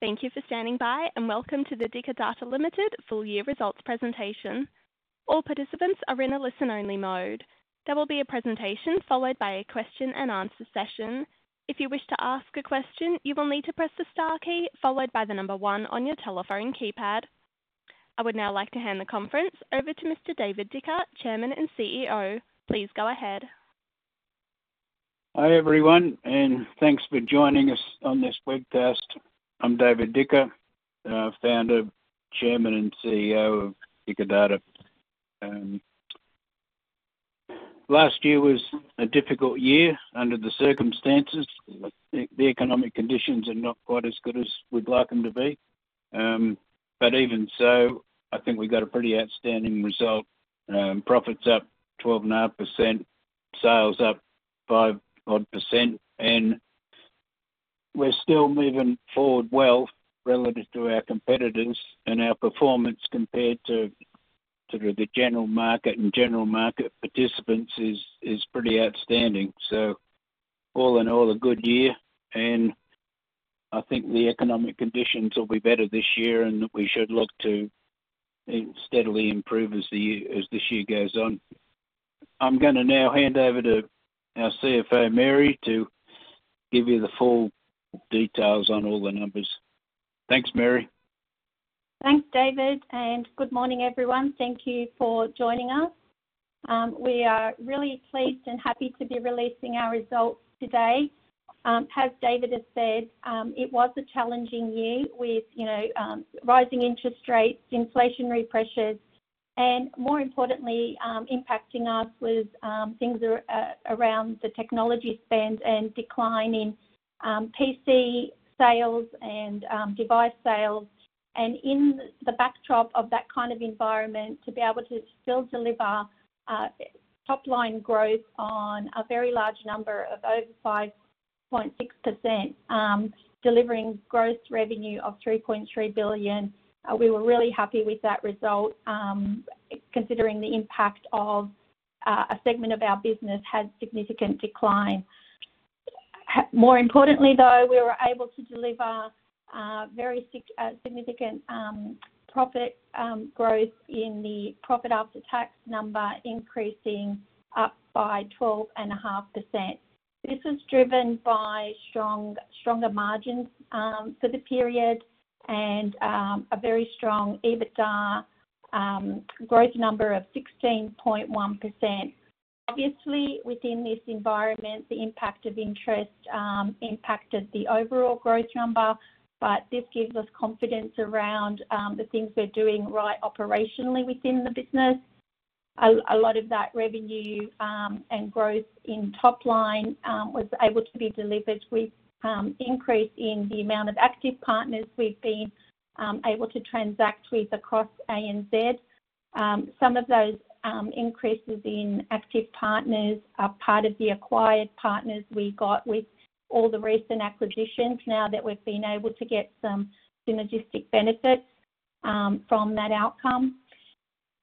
Thank you for standing by and welcome to the Dicker Data Limited full-year results presentation. All participants are in a listen-only mode. There will be a presentation followed by a question-and-answer session. If you wish to ask a question, you will need to press the star key followed by the number one on your telephone keypad. I would now like to hand the conference over to Mr. David Dicker, Chairman and CEO. Please go ahead. Hi everyone, and thanks for joining us on this webcast. I'm David Dicker, Founder, Chairman, and CEO of Dicker Data. Last year was a difficult year under the circumstances. The economic conditions are not quite as good as we'd like them to be. But even so, I think we got a pretty outstanding result: profits up 12.5%, sales up 5-odd%, and we're still moving forward well relative to our competitors. Our performance compared to the general market and general market participants is pretty outstanding. All in all, a good year, and I think the economic conditions will be better this year and that we should look to steadily improve as this year goes on. I'm going to now hand over to our CFO, Mary, to give you the full details on all the numbers. Thanks, Mary. Thanks, David, and good morning everyone. Thank you for joining us. We are really pleased and happy to be releasing our results today. As David has said, it was a challenging year with rising interest rates, inflationary pressures, and more importantly, impacting us was things around the technology spend and decline in PC sales and device sales. In the backdrop of that kind of environment, to be able to still deliver top-line growth on a very large number of over 5.6%, delivering gross revenue of 3.3 billion, we were really happy with that result considering the impact of a segment of our business had significant decline. More importantly, though, we were able to deliver very significant profit growth in the profit after tax number increasing up by 12.5%. This was driven by stronger margins for the period and a very strong EBITDA growth number of 16.1%. Obviously, within this environment, the impact of interest impacted the overall growth number, but this gives us confidence around the things we're doing right operationally within the business. A lot of that revenue and growth in top-line was able to be delivered with increase in the amount of active partners we've been able to transact with across ANZ. Some of those increases in active partners are part of the acquired partners we got with all the recent acquisitions now that we've been able to get some synergistic benefits from that outcome.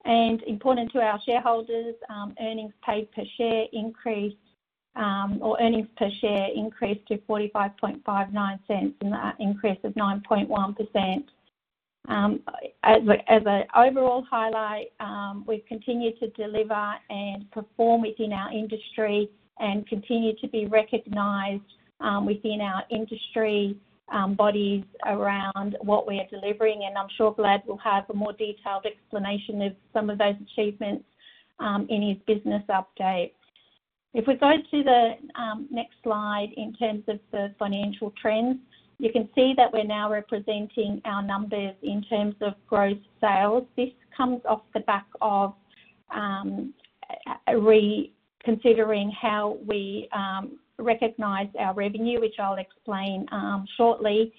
And important to our shareholders, earnings paid per share increased or earnings per share increased to 0.4559, an increase of 9.1%. As an overall highlight, we've continued to deliver and perform within our industry and continue to be recognised within our industry bodies around what we are delivering. I'm sure Vlad will have a more detailed explanation of some of those achievements in his business update. If we go to the next slide in terms of the financial trends, you can see that we're now representing our numbers in terms of gross sales. This comes off the back of reconsidering how we recognize our revenue, which I'll explain shortly.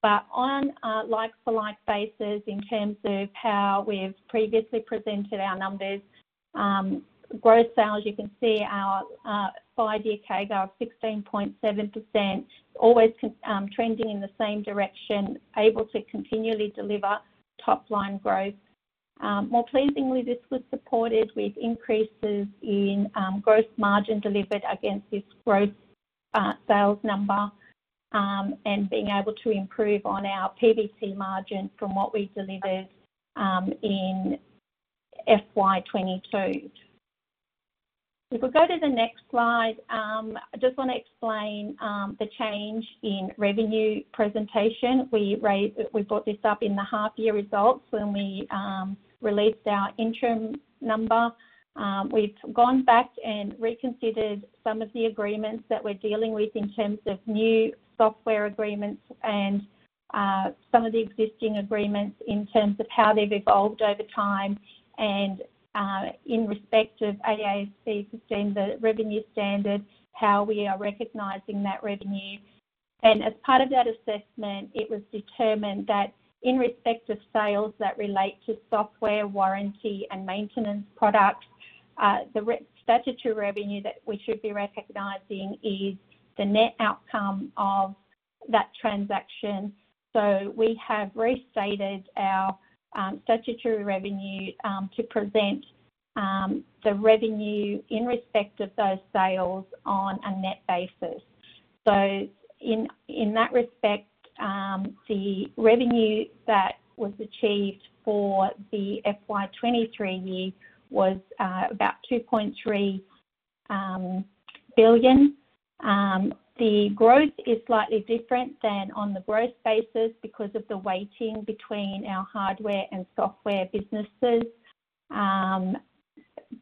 But on a like-for-like basis in terms of how we've previously presented our numbers, gross sales, you can see our five-year CAGR of 16.7%, always trending in the same direction, able to continually deliver top-line growth. More pleasingly, this was supported with increases in gross margin delivered against this gross sales number and being able to improve on our PBT margin from what we delivered in FY22. If we go to the next slide, I just want to explain the change in revenue presentation. We brought this up in the half-year results when we released our interim number. We've gone back and reconsidered some of the agreements that we're dealing with in terms of new software agreements and some of the existing agreements in terms of how they've evolved over time. And in respect of AASB 15, the revenue standard, how we are recognizing that revenue. And as part of that assessment, it was determined that in respect of sales that relate to software warranty and maintenance products, the statutory revenue that we should be recognizing is the net outcome of that transaction. So we have restated our statutory revenue to present the revenue in respect of those sales on a net basis. So in that respect, the revenue that was achieved for the FY 2023 year was about 2.3 billion. The growth is slightly different than on the gross basis because of the weighting between our hardware and software businesses.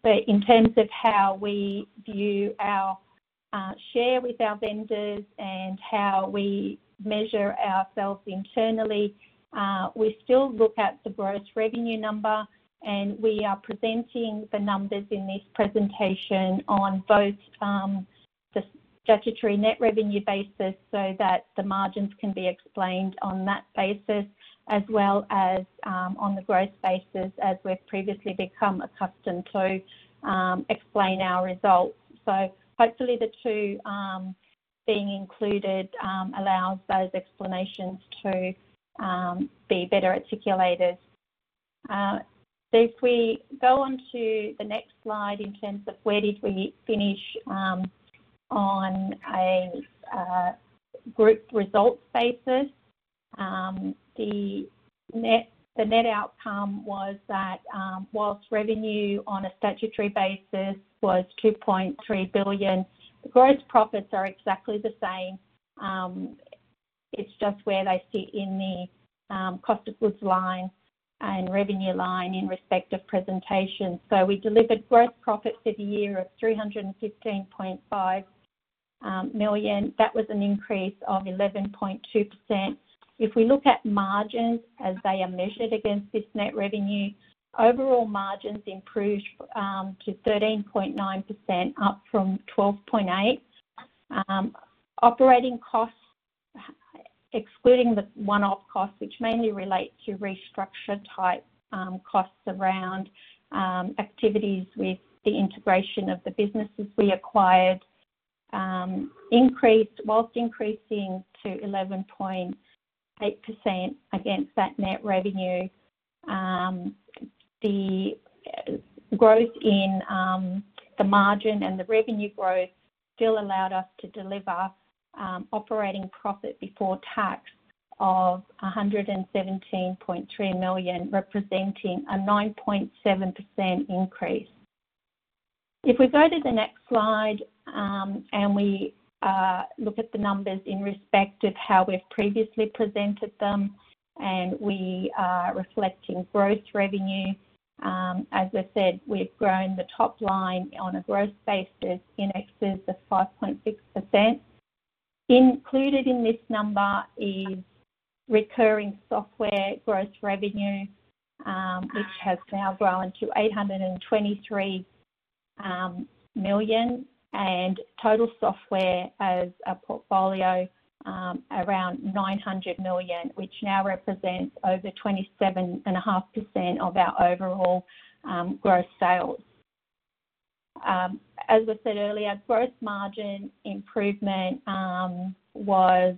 But in terms of how we view our share with our vendors and how we measure ourselves internally, we still look at the gross revenue number, and we are presenting the numbers in this presentation on both the statutory net revenue basis so that the margins can be explained on that basis as well as on the gross basis as we've previously become accustomed to explain our results. So hopefully, the two being included allows those explanations to be better articulated. If we go onto the next slide in terms of where did we finish on a group results basis, the net outcome was that while revenue on a statutory basis was 2.3 billion, the gross profits are exactly the same. It's just where they sit in the cost of goods line and revenue line in respect of presentation. So we delivered gross profits for the year of 315.5 million. That was an increase of 11.2%. If we look at margins as they are measured against this net revenue, overall margins improved to 13.9%, up from 12.8%. Operating costs, excluding the one-off costs, which mainly relate to restructure-type costs around activities with the integration of the businesses we acquired, whilst increasing to 11.8% against that net revenue, the growth in the margin and the revenue growth still allowed us to deliver operating profit before tax of 117.3 million, representing a 9.7% increase. If we go to the next slide and we look at the numbers in respect of how we've previously presented them and we are reflecting gross revenue, as I said, we've grown the top-line on a gross basis in excess of 5.6%. Included in this number is recurring software gross revenue, which has now grown to 823 million, and total software as a portfolio around 900 million, which now represents over 27.5% of our overall gross sales. As I said earlier, gross margin improvement was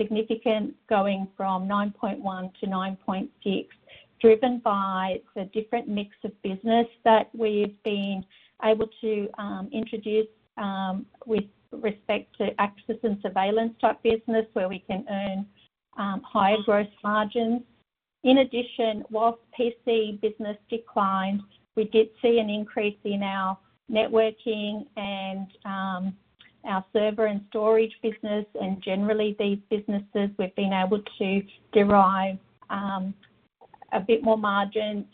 significant, going from 9.1% to 9.6%, driven by the different mix of business that we've been able to introduce with respect to access and surveillance-type business where we can earn higher gross margins. In addition, whilst PC business declined, we did see an increase in our networking and our server and storage business. Generally, these businesses, we've been able to derive a bit more margin.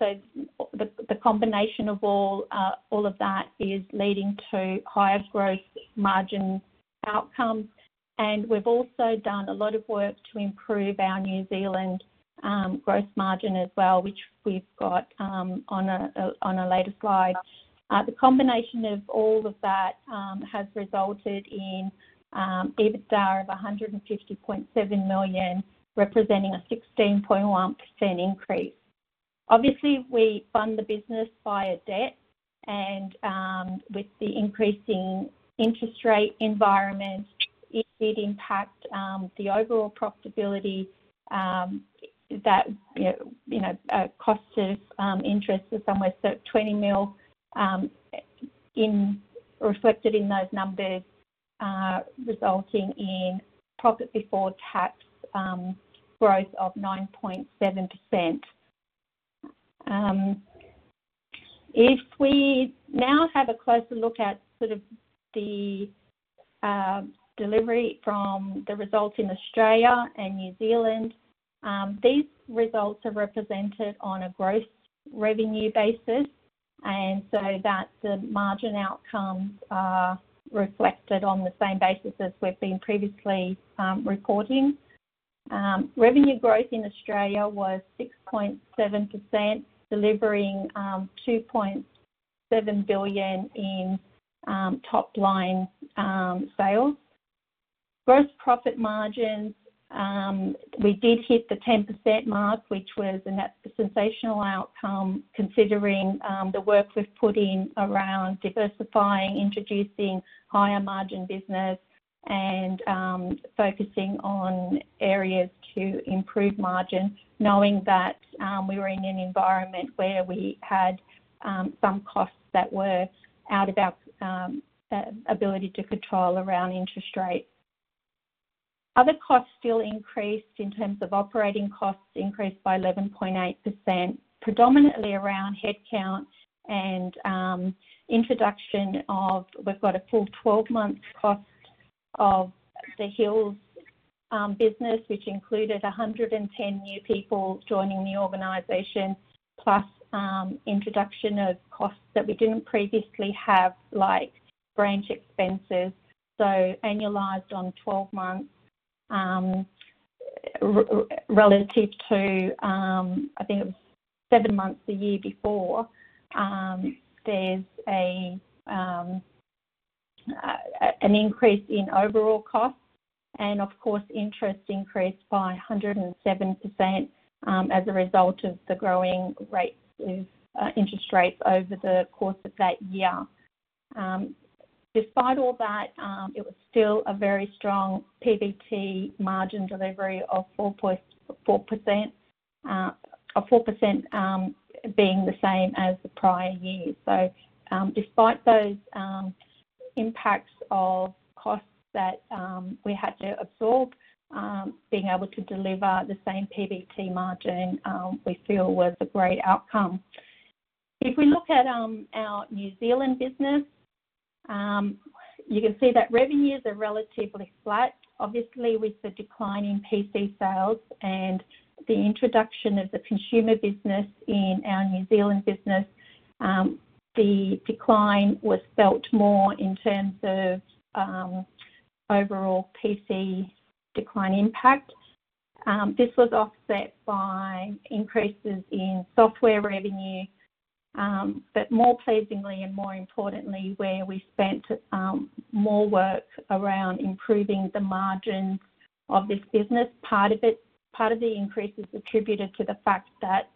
The combination of all of that is leading to higher gross margin outcomes. We've also done a lot of work to improve our New Zealand gross margin as well, which we've got on a later slide. The combination of all of that has resulted in EBITDA of 150.7 million, representing a 16.1% increase. Obviously, we fund the business via debt, and with the increasing interest rate environment, it did impact the overall profitability. That cost of interest is somewhere 20 mil reflected in those numbers, resulting in profit before tax growth of 9.7%. If we now have a closer look at sort of the delivery from the results in Australia and New Zealand, these results are represented on a gross revenue basis, and so that the margin outcomes are reflected on the same basis as we've been previously reporting. Revenue growth in Australia was 6.7%, delivering AUD 2.7 billion in top-line sales. Gross profit margins, we did hit the 10% mark, which was a sensational outcome considering the work we've put in around diversifying, introducing higher margin business, and focusing on areas to improve margin, knowing that we were in an environment where we had some costs that were out of our ability to control around interest rate. Other costs still increased in terms of operating costs, increased by 11.8%, predominantly around headcount and introduction of we've got a full 12-month cost of the Hills business, which included 110 new people joining the organization, plus introduction of costs that we didn't previously have, like branch expenses. So annualized on 12 months relative to, I think it was seven months the year before, there's an increase in overall costs and, of course, interest increased by 107% as a result of the growing rates of interest rates over the course of that year. Despite all that, it was still a very strong PBT margin delivery of 4%, 4% being the same as the prior year. So despite those impacts of costs that we had to absorb, being able to deliver the same PBT margin we feel was a great outcome. If we look at our New Zealand business, you can see that revenues are relatively flat. Obviously, with the decline in PC sales and the introduction of the consumer business in our New Zealand business, the decline was felt more in terms of overall PC decline impact. This was offset by increases in software revenue. But more pleasingly and more importantly, where we spent more work around improving the margins of this business, part of the increase is attributed to the fact that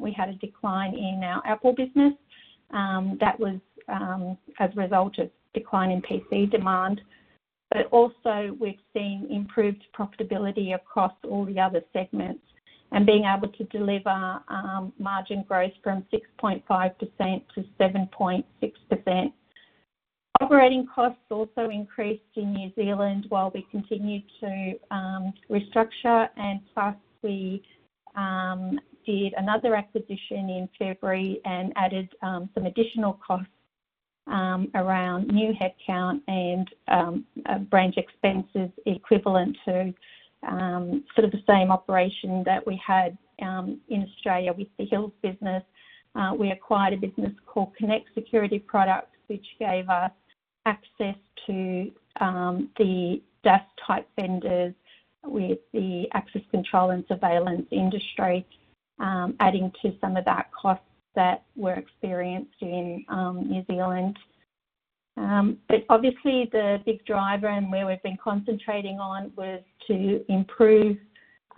we had a decline in our Apple business. That was as a result of decline in PC demand. But also, we've seen improved profitability across all the other segments and being able to deliver margin growth from 6.5% to 7.6%. Operating costs also increased in New Zealand while we continued to restructure. Plus, we did another acquisition in February and added some additional costs around new headcount and branch expenses equivalent to sort of the same operation that we had in Australia with the Hills business. We acquired a business called Connect Security Products, which gave us access to the DAS-type vendors with the access control and surveillance industry, adding to some of that cost that we're experiencing in New Zealand. Obviously, the big driver and where we've been concentrating on was to improve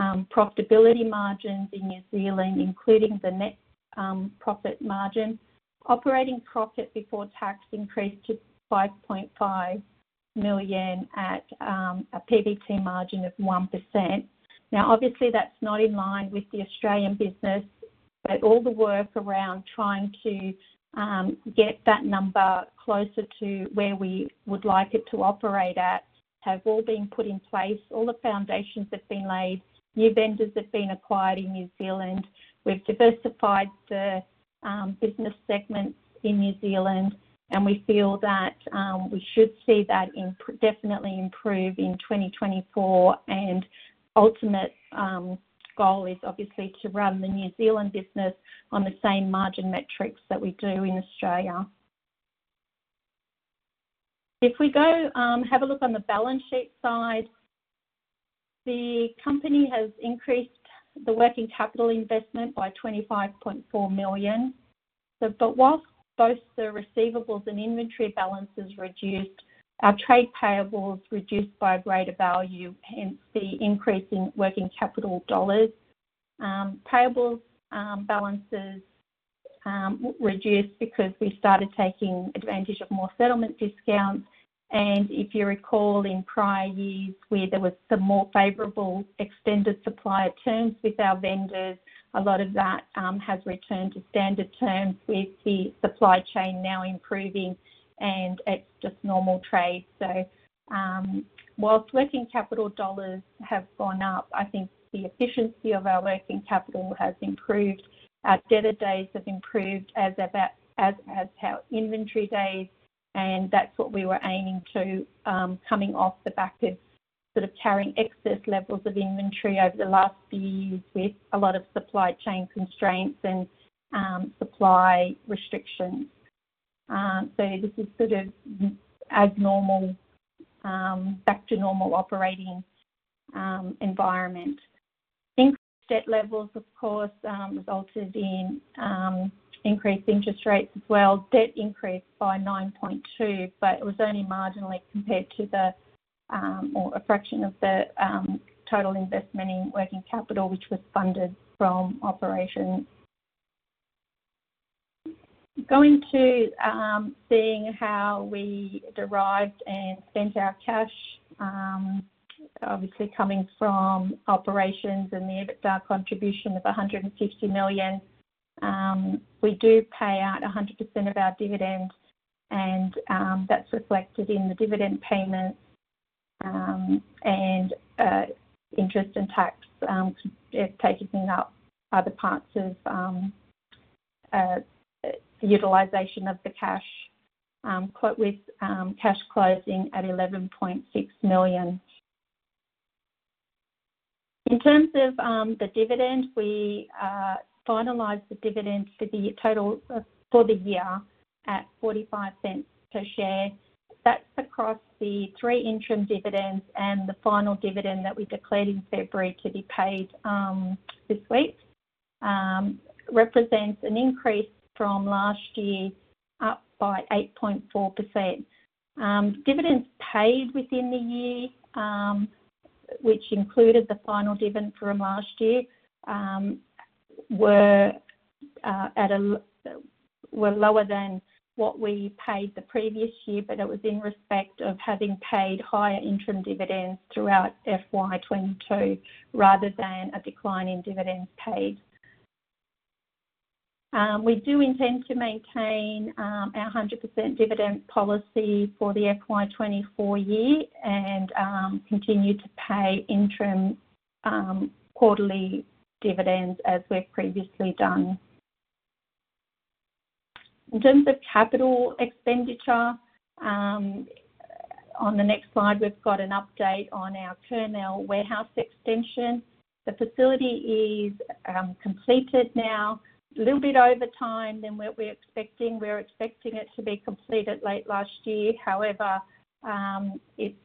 profitability margins in New Zealand, including the net profit margin. Operating profit before tax increased to 5.5 million at a PBT margin of 1%. Now, obviously, that's not in line with the Australian business, but all the work around trying to get that number closer to where we would like it to operate at have all been put in place. All the foundations have been laid. New vendors have been acquired in New Zealand. We've diversified the business segments in New Zealand, and we feel that we should see that definitely improve in 2024. Ultimate goal is obviously to run the New Zealand business on the same margin metrics that we do in Australia. If we go have a look on the balance sheet side, the company has increased the working capital investment by 25.4 million. While both the receivables and inventory balances reduced, our trade payables reduced by a greater value, hence the increase in working capital dollars. Payables balances reduced because we started taking advantage of more settlement discounts. If you recall in prior years where there were some more favourable extended supplier terms with our vendors, a lot of that has returned to standard terms with the supply chain now improving, and it's just normal trade. So while working capital dollars have gone up, I think the efficiency of our working capital has improved. Our debtor days have improved as has our inventory days, and that's what we were aiming to coming off the back of sort of carrying excess levels of inventory over the last few years with a lot of supply chain constraints and supply restrictions. So this is sort of back to normal operating environment. Increased debt levels, of course, resulted in increased interest rates as well. Debt increased by 9.2 million, but it was only marginally compared to a fraction of the total investment in working capital, which was funded from operations. Going to see how we derived and spent our cash, obviously coming from operations and the EBITDA contribution of 150 million, we do pay out 100% of our dividend, and that's reflected in the dividend payments and interest and tax, taking up other parts of utilization of the cash, with cash closing at 11.6 million. In terms of the dividend, we finalized the dividend for the year at 0.45 per share. That's across the three interim dividends and the final dividend that we declared in February to be paid this week, represents an increase from last year up by 8.4%. Dividends paid within the year, which included the final dividend from last year, were lower than what we paid the previous year, but it was in respect of having paid higher interim dividends throughout FY 2022 rather than a decline in dividends paid. We do intend to maintain our 100% dividend policy for the FY 2024 year and continue to pay interim quarterly dividends as we've previously done. In terms of capital expenditure, on the next slide, we've got an update on our Kurnell warehouse extension. The facility is completed now, a little bit over time than what we're expecting. We were expecting it to be completed late last year. However, it's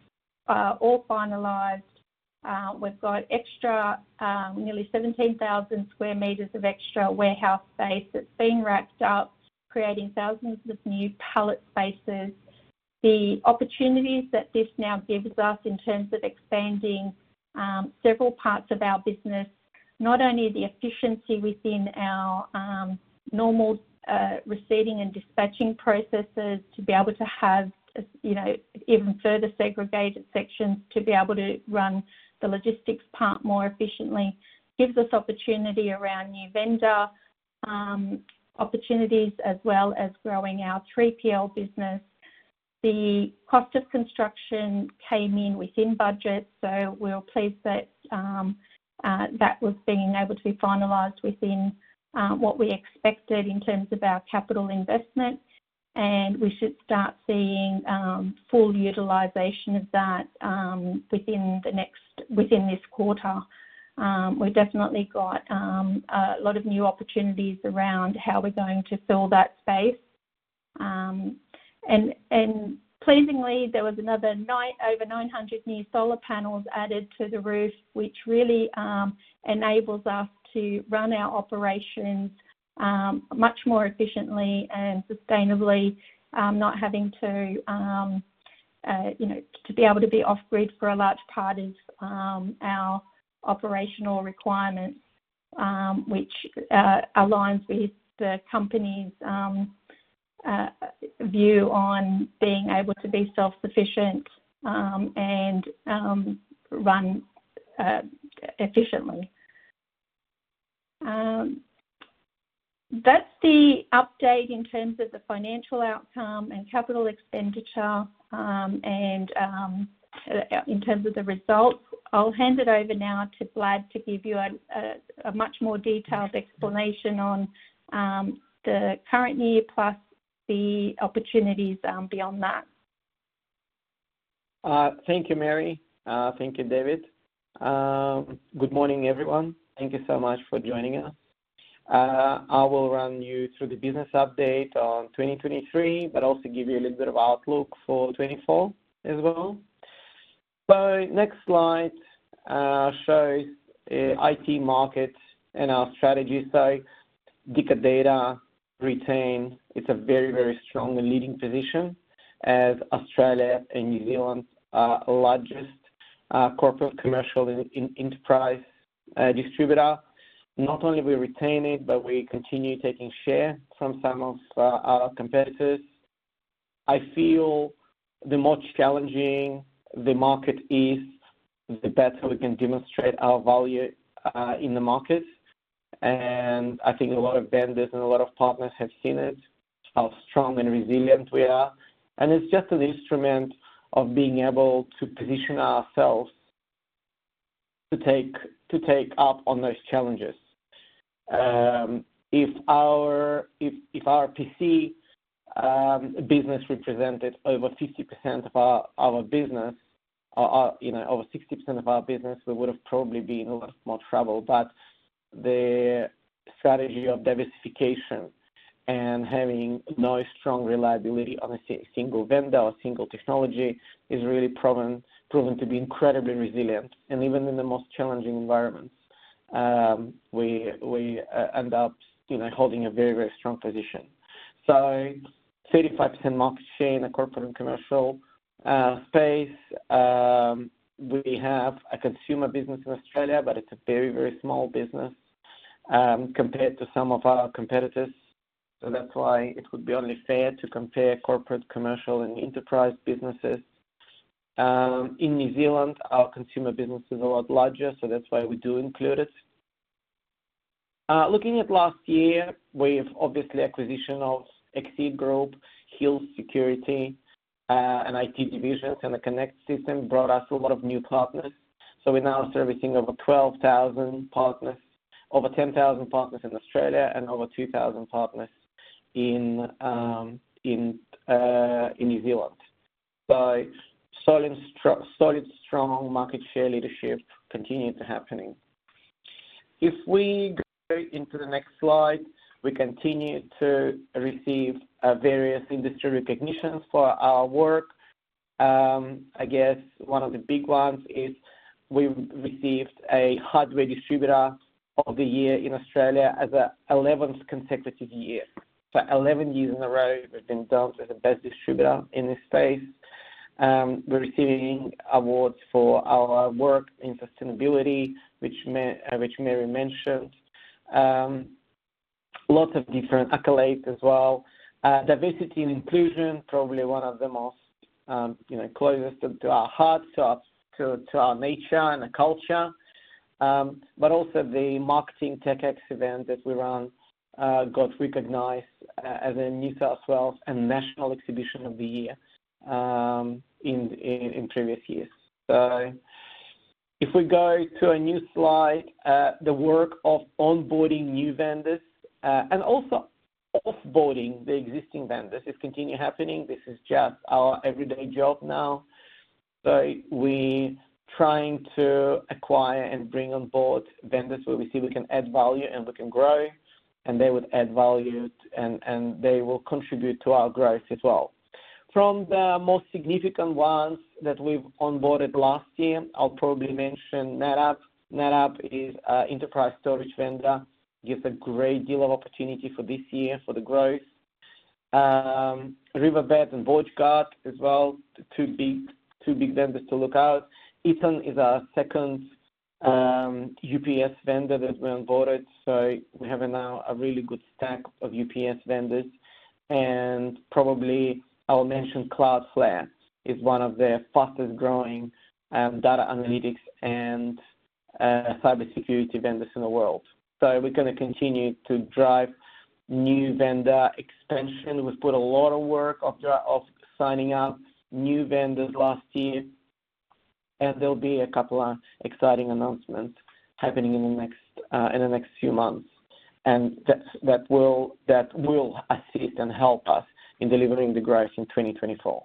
all finalized. We've got extra nearly 17,000 square meters of extra warehouse space that's been racked up, creating thousands of new pallet spaces. The opportunities that this now gives us in terms of expanding several parts of our business, not only the efficiency within our normal receiving and dispatching processes to be able to have even further segregated sections to be able to run the logistics part more efficiently, gives us opportunity around new vendor opportunities as well as growing our 3PL business. The cost of construction came in within budget, so we're pleased that that was being able to be finalized within what we expected in terms of our capital investment. We should start seeing full utilization of that within this quarter. We've definitely got a lot of new opportunities around how we're going to fill that space. Pleasingly, there was another over 900 new solar panels added to the roof, which really enables us to run our operations much more efficiently and sustainably, not having to be able to be off-grid for a large part of our operational requirements, which aligns with the company's view on being able to be self-sufficient and run efficiently. That's the update in terms of the financial outcome and capital expenditure and in terms of the results. I'll hand it over now to Vlad to give you a much more detailed explanation on the current year plus the opportunities beyond that. Thank you, Mary. Thank you, David. Good morning, everyone. Thank you so much for joining us. I will run you through the business update on 2023 but also give you a little bit of outlook for 2024 as well. Next slide shows IT markets and our strategy. So Dicker Data retains, it's a very, very strong and leading position as Australia and New Zealand's largest corporate commercial enterprise distributor. Not only do we retain it, but we continue taking share from some of our competitors. I feel the more challenging the market is, the better we can demonstrate our value in the market. And I think a lot of vendors and a lot of partners have seen it, how strong and resilient we are. And it's just an instrument of being able to position ourselves to take up on those challenges. If our PC business represented over 50% of our business or over 60% of our business, we would have probably been in a lot more trouble. But the strategy of diversification and having no strong reliability on a single vendor or single technology is really proven to be incredibly resilient. Even in the most challenging environments, we end up holding a very, very strong position. 35% market share in the corporate and commercial space. We have a consumer business in Australia, but it's a very, very small business compared to some of our competitors. That's why it would be only fair to compare corporate, commercial, and enterprise businesses. In New Zealand, our consumer business is a lot larger, so that's why we do include it. Looking at last year, we've obviously acquisition of Exeed Group, Hills Security and IT divisions and the Connect Security Products brought us a lot of new partners. We're now servicing over 12,000 partners, over 10,000 partners in Australia, and over 2,000 partners in New Zealand. Solid, strong market share leadership continues to happen. If we go into the next slide, we continue to receive various industry recognitions for our work. I guess one of the big ones is we've received a hardware distributor of the year in Australia as the 11th consecutive year. So 11 years in a row, we've been dubbed as the best distributor in this space. We're receiving awards for our work in sustainability, which Mary mentioned. Lots of different accolades as well. Diversity and inclusion, probably one of the most closest to our heart, to our nature and our culture. But also, the marketing TechX event that we run got recognized as a New South Wales and national exhibition of the year in previous years. So if we go to a new slide, the work of onboarding new vendors and also offboarding the existing vendors is continuing to happen. This is just our everyday job now. So we're trying to acquire and bring onboard vendors where we see we can add value and we can grow, and they would add value, and they will contribute to our growth as well. From the most significant ones that we've onboarded last year, I'll probably mention NetApp. NetApp is an enterprise storage vendor. Gives a great deal of opportunity for this year for the growth. Riverbed and WatchGuard as well, two big vendors to look out. Eaton is our second UPS vendor that we onboarded. So we have now a really good stack of UPS vendors. And probably I'll mention Cloudflare is one of the fastest-growing data analytics and cybersecurity vendors in the world. So we're going to continue to drive new vendor expansion. We've put a lot of work of signing up new vendors last year, and there'll be a couple of exciting announcements happening in the next few months. That will assist and help us in delivering the growth in 2024.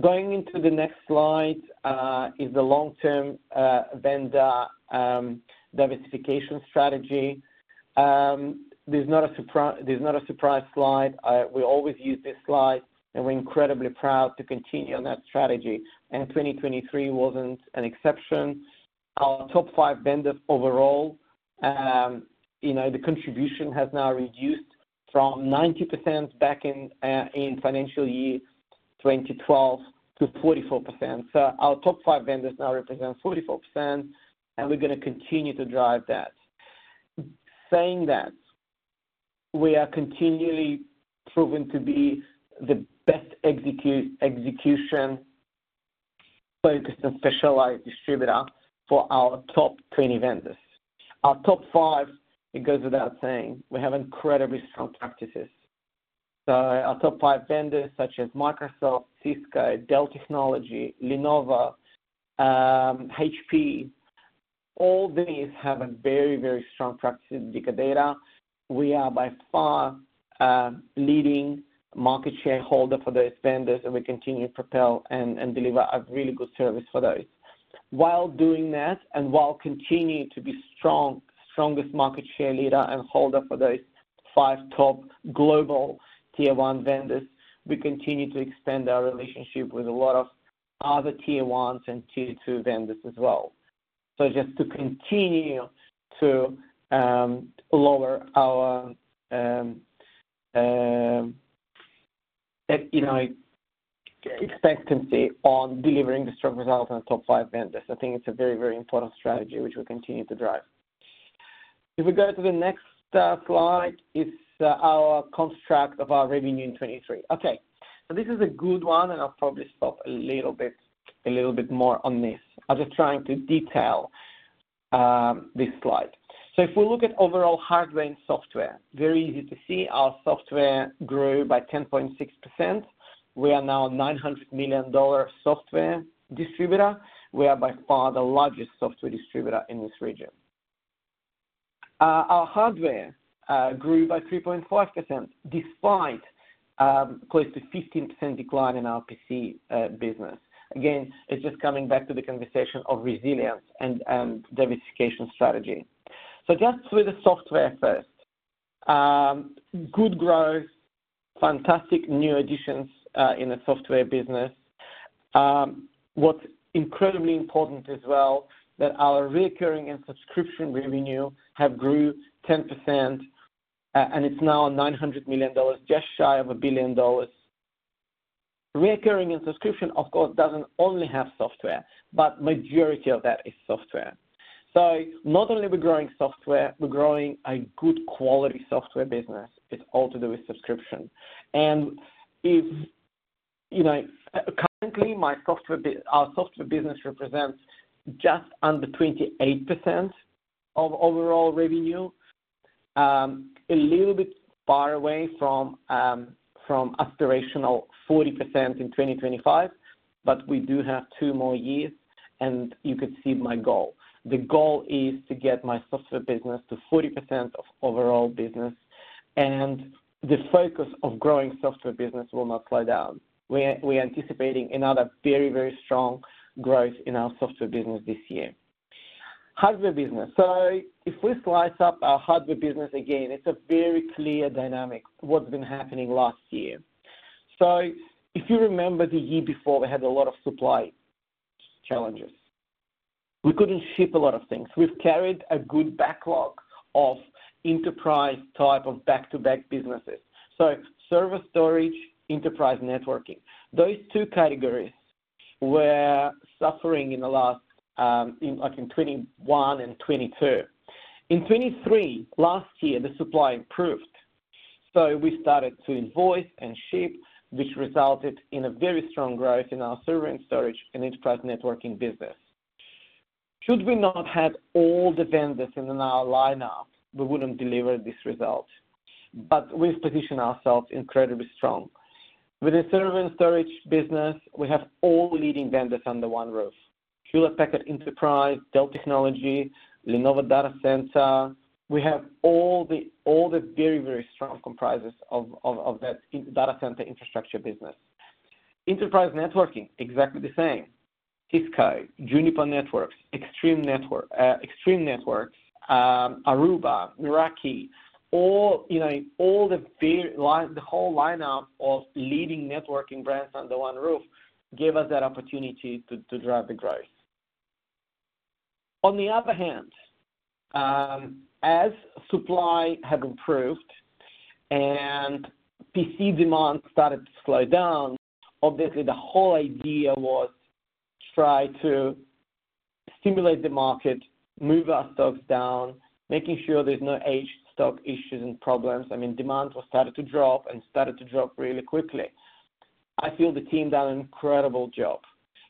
Going into the next slide is the long-term vendor diversification strategy. This is not a surprise slide. We always use this slide, and we're incredibly proud to continue on that strategy. 2023 wasn't an exception. Our top five vendors overall, the contribution has now reduced from 90% back in financial year 2012 to 44%. Our top five vendors now represent 44%, and we're going to continue to drive that. Saying that, we are continually proven to be the best execution-focused and specialized distributor for our top 20 vendors. Our top five, it goes without saying, we have incredibly strong practices. So our top five vendors, such as Microsoft, Cisco, Dell Technologies, Lenovo, HP, all these have very, very strong practices at Dicker Data. We are by far leading market share holder for those vendors, and we continue to propel and deliver a really good service for those. While doing that and while continuing to be the strongest market share leader and holder for those five top global Tier 1 vendors, we continue to expand our relationship with a lot of other Tier 1s and Tier 2 vendors as well. So just to continue to lower our expectancy on delivering the strong results on the top five vendors, I think it's a very, very important strategy, which we continue to drive. If we go to the next slide, it's our construct of our revenue in 2023. Okay. So this is a good one, and I'll probably stop a little bit more on this. I'm just trying to detail this slide. So if we look at overall hardware and software, very easy to see. Our software grew by 10.6%. We are now a 900 million dollar software distributor. We are by far the largest software distributor in this region. Our hardware grew by 3.5% despite close to 15% decline in our PC business. Again, it's just coming back to the conversation of resilience and diversification strategy. So just with the software first, good growth, fantastic new additions in the software business. What's incredibly important as well, that our recurring and subscription revenue have grew 10%, and it's now 900 million dollars, just shy of 1 billion dollars. Recurring and subscription, of course, doesn't only have software, but the majority of that is software. So not only are we growing software, we're growing a good-quality software business. It's all to do with subscription. Currently, our software business represents just under 28% of overall revenue, a little bit far away from aspirational 40% in 2025. But we do have two more years, and you could see my goal. The goal is to get my software business to 40% of overall business, and the focus of growing software business will not slow down. We're anticipating another very, very strong growth in our software business this year. Hardware business. So if we slice up our hardware business again, it's a very clear dynamic what's been happening last year. So if you remember the year before, we had a lot of supply challenges. We couldn't ship a lot of things. We've carried a good backlog of enterprise-type of back-to-back businesses. So server storage, enterprise networking, those two categories were suffering in the last in 2021 and 2022. In 2023, last year, the supply improved. So we started to invoice and ship, which resulted in a very strong growth in our server and storage and enterprise networking business. Should we not have all the vendors in our lineup, we wouldn't deliver this result. But we've positioned ourselves incredibly strong. With the server and storage business, we have all leading vendors under one roof: Hewlett Packard Enterprise, Dell Technologies, Lenovo Data Center. We have all the very, very strong comprises of that data center infrastructure business. Enterprise networking, exactly the same: Cisco, Juniper Networks, Extreme Networks, Aruba, Meraki. All the whole lineup of leading networking brands under one roof gave us that opportunity to drive the growth. On the other hand, as supply had improved and PC demand started to slow down, obviously, the whole idea was to try to stimulate the market, move our stocks down, making sure there's no aged stock issues and problems. I mean, demand started to drop and started to drop really quickly. I feel the team done an incredible job.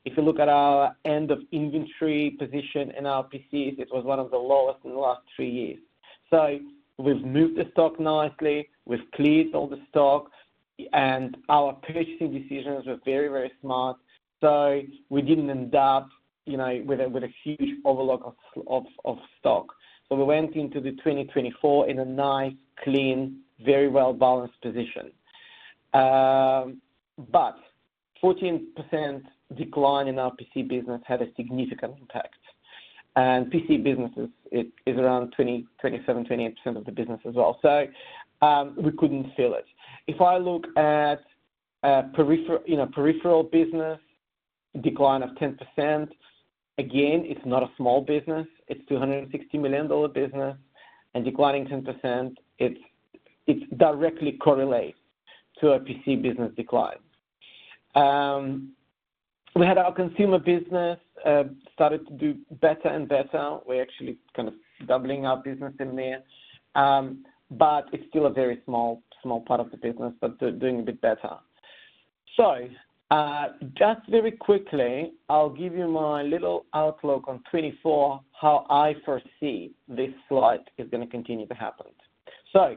If you look at our end-of-inventory position in our PCs, it was one of the lowest in the last three years. So we've moved the stock nicely. We've cleared all the stock, and our purchasing decisions were very, very smart. So we didn't end up with a huge overload of stock. So we went into 2024 in a nice, clean, very well-balanced position. But 14% decline in our PC business had a significant impact. And PC businesses, it's around 27%-28% of the business as well. So we couldn't fill it. If I look at peripheral business, decline of 10%, again, it's not a small business. It's a 260 million dollar business. And declining 10%, it directly correlates to a PC business decline. We had our consumer business started to do better and better. We're actually kind of doubling our business in there. But it's still a very small part of the business, but doing a bit better. So just very quickly, I'll give you my little outlook on 2024, how I foresee this slide is going to continue to happen. So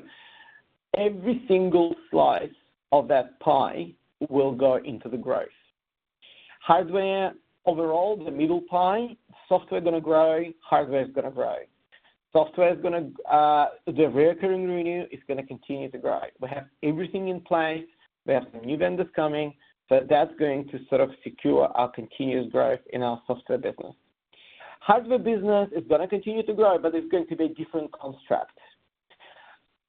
every single slice of that pie will go into the growth. Hardware overall, the middle pie, software is going to grow, hardware is going to grow. The recurring revenue is going to continue to grow. We have everything in place. We have some new vendors coming. So that's going to sort of secure our continuous growth in our software business. Hardware business is going to continue to grow, but there's going to be a different construct.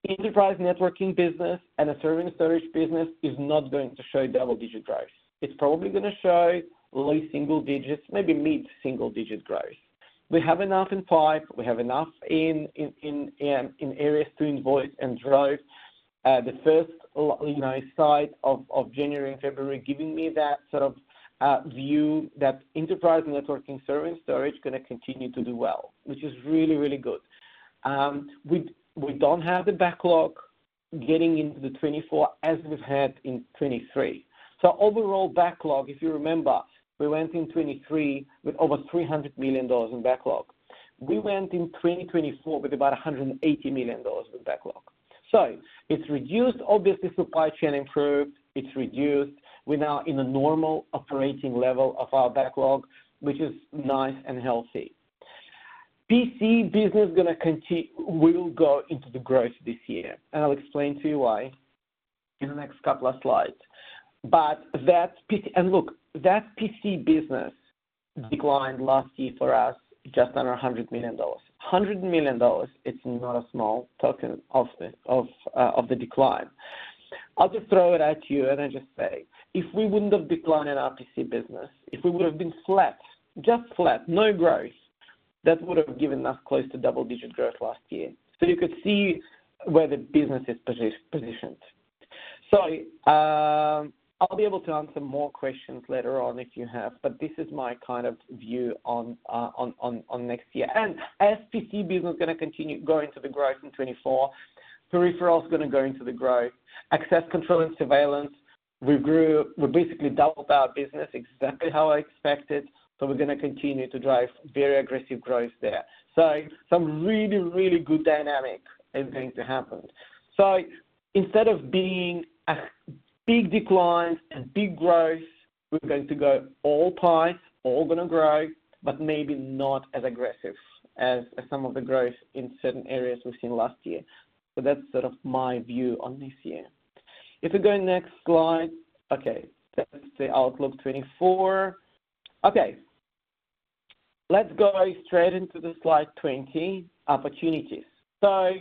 Enterprise networking business and the server and storage business is not going to show double-digit growth. It's probably going to show low single-digit, maybe mid-single-digit growth. We have enough in pipe. We have enough in areas to invoice and drive. The first sight of January and February giving me that sort of view that enterprise networking, server, and storage is going to continue to do well, which is really, really good. We don't have the backlog getting into the 2024 as we've had in 2023. So overall backlog, if you remember, we went in 2023 with over 300 million dollars in backlog. We went in 2024 with about 180 million dollars in backlog. So it's reduced. Obviously, supply chain improved. It's reduced. We're now in a normal operating level of our backlog, which is nice and healthy. PC business is going to go into the growth this year, and I'll explain to you why in the next couple of slides. And look, that PC business declined last year for us just under 100 million dollars. 100 million dollars, it's not a small token of the decline. I'll just throw it at you and then just say, if we wouldn't have declined in our PC business, if we would have been flat, just flat, no growth, that would have given us close to double-digit growth last year. So you could see where the business is positioned. So I'll be able to answer more questions later on if you have, but this is my kind of view on next year. As PC business is going to continue going into the growth in 2024, peripheral is going to go into the growth. Access control and surveillance, we basically doubled our business exactly how I expected. So we're going to continue to drive very aggressive growth there. So some really, really good dynamic is going to happen. So instead of being big declines and big growth, we're going to go all pipes, all going to grow, but maybe not as aggressive as some of the growth in certain areas we've seen last year. So that's sort of my view on this year. If we go to the next slide, okay. That's the outlook 2024. Okay. Let's go straight into slide 20, opportunities. So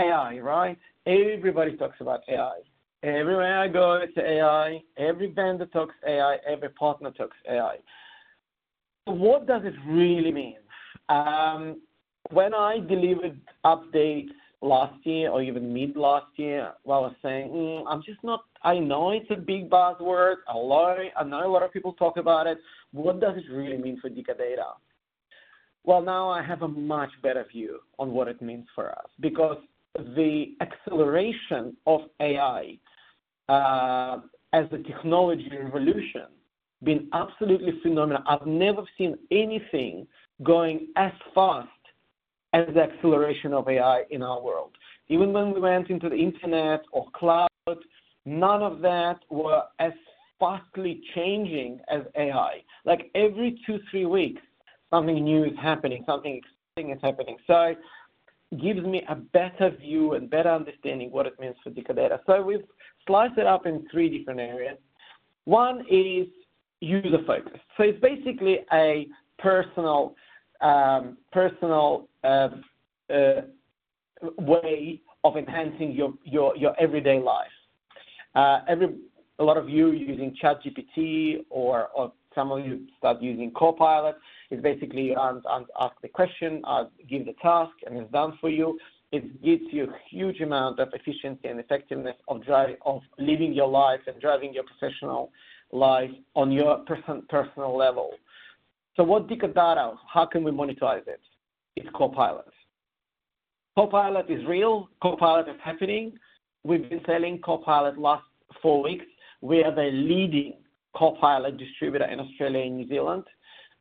AI, right? Everybody talks about AI. Everywhere I go, it's AI. Every vendor talks AI. Every partner talks AI. What does it really mean? When I delivered updates last year or even mid-last year, while I was saying, "I know it's a big buzzword. I know a lot of people talk about it. What does it really mean for Dicker Data?" Well, now I have a much better view on what it means for us because the acceleration of AI as a technology revolution has been absolutely phenomenal. I've never seen anything going as fast as the acceleration of AI in our world. Even when we went into the internet or cloud, none of that was as fastly changing as AI. Every two, three weeks, something new is happening. Something exciting is happening. So it gives me a better view and better understanding what it means for Dicker Data. So we've sliced it up in three different areas. One is user-focused. So it's basically a personal way of enhancing your everyday life. A lot of you using ChatGPT or some of you start using Copilot; it's basically ask the question, give the task, and it's done for you. It gives you a huge amount of efficiency and effectiveness of living your life and driving your professional life on your personal level. So what Dicker Data? How can we monetize it? It's Copilot. Copilot is real. Copilot is happening. We've been selling Copilot the last four weeks. We are the leading Copilot distributor in Australia and New Zealand.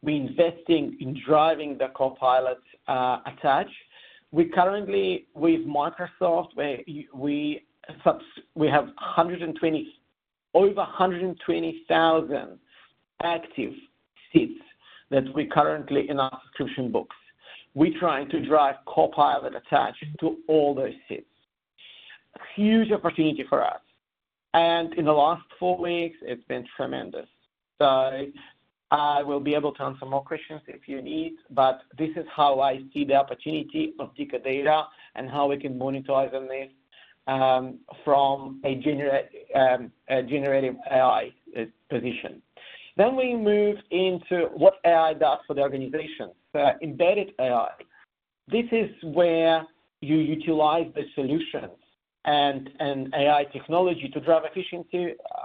We're investing in driving the Copilot attach. With Microsoft, we have over 120,000 active seats that we currently have in our subscription books. We're trying to drive Copilot attached to all those seats. Huge opportunity for us. And in the last four weeks, it's been tremendous. So I will be able to answer more questions if you need, but this is how I see the opportunity of Dicker Data and how we can monetize on this from a generative AI position. Then we moved into what AI does for the organization. So embedded AI, this is where you utilize the solutions and AI technology to drive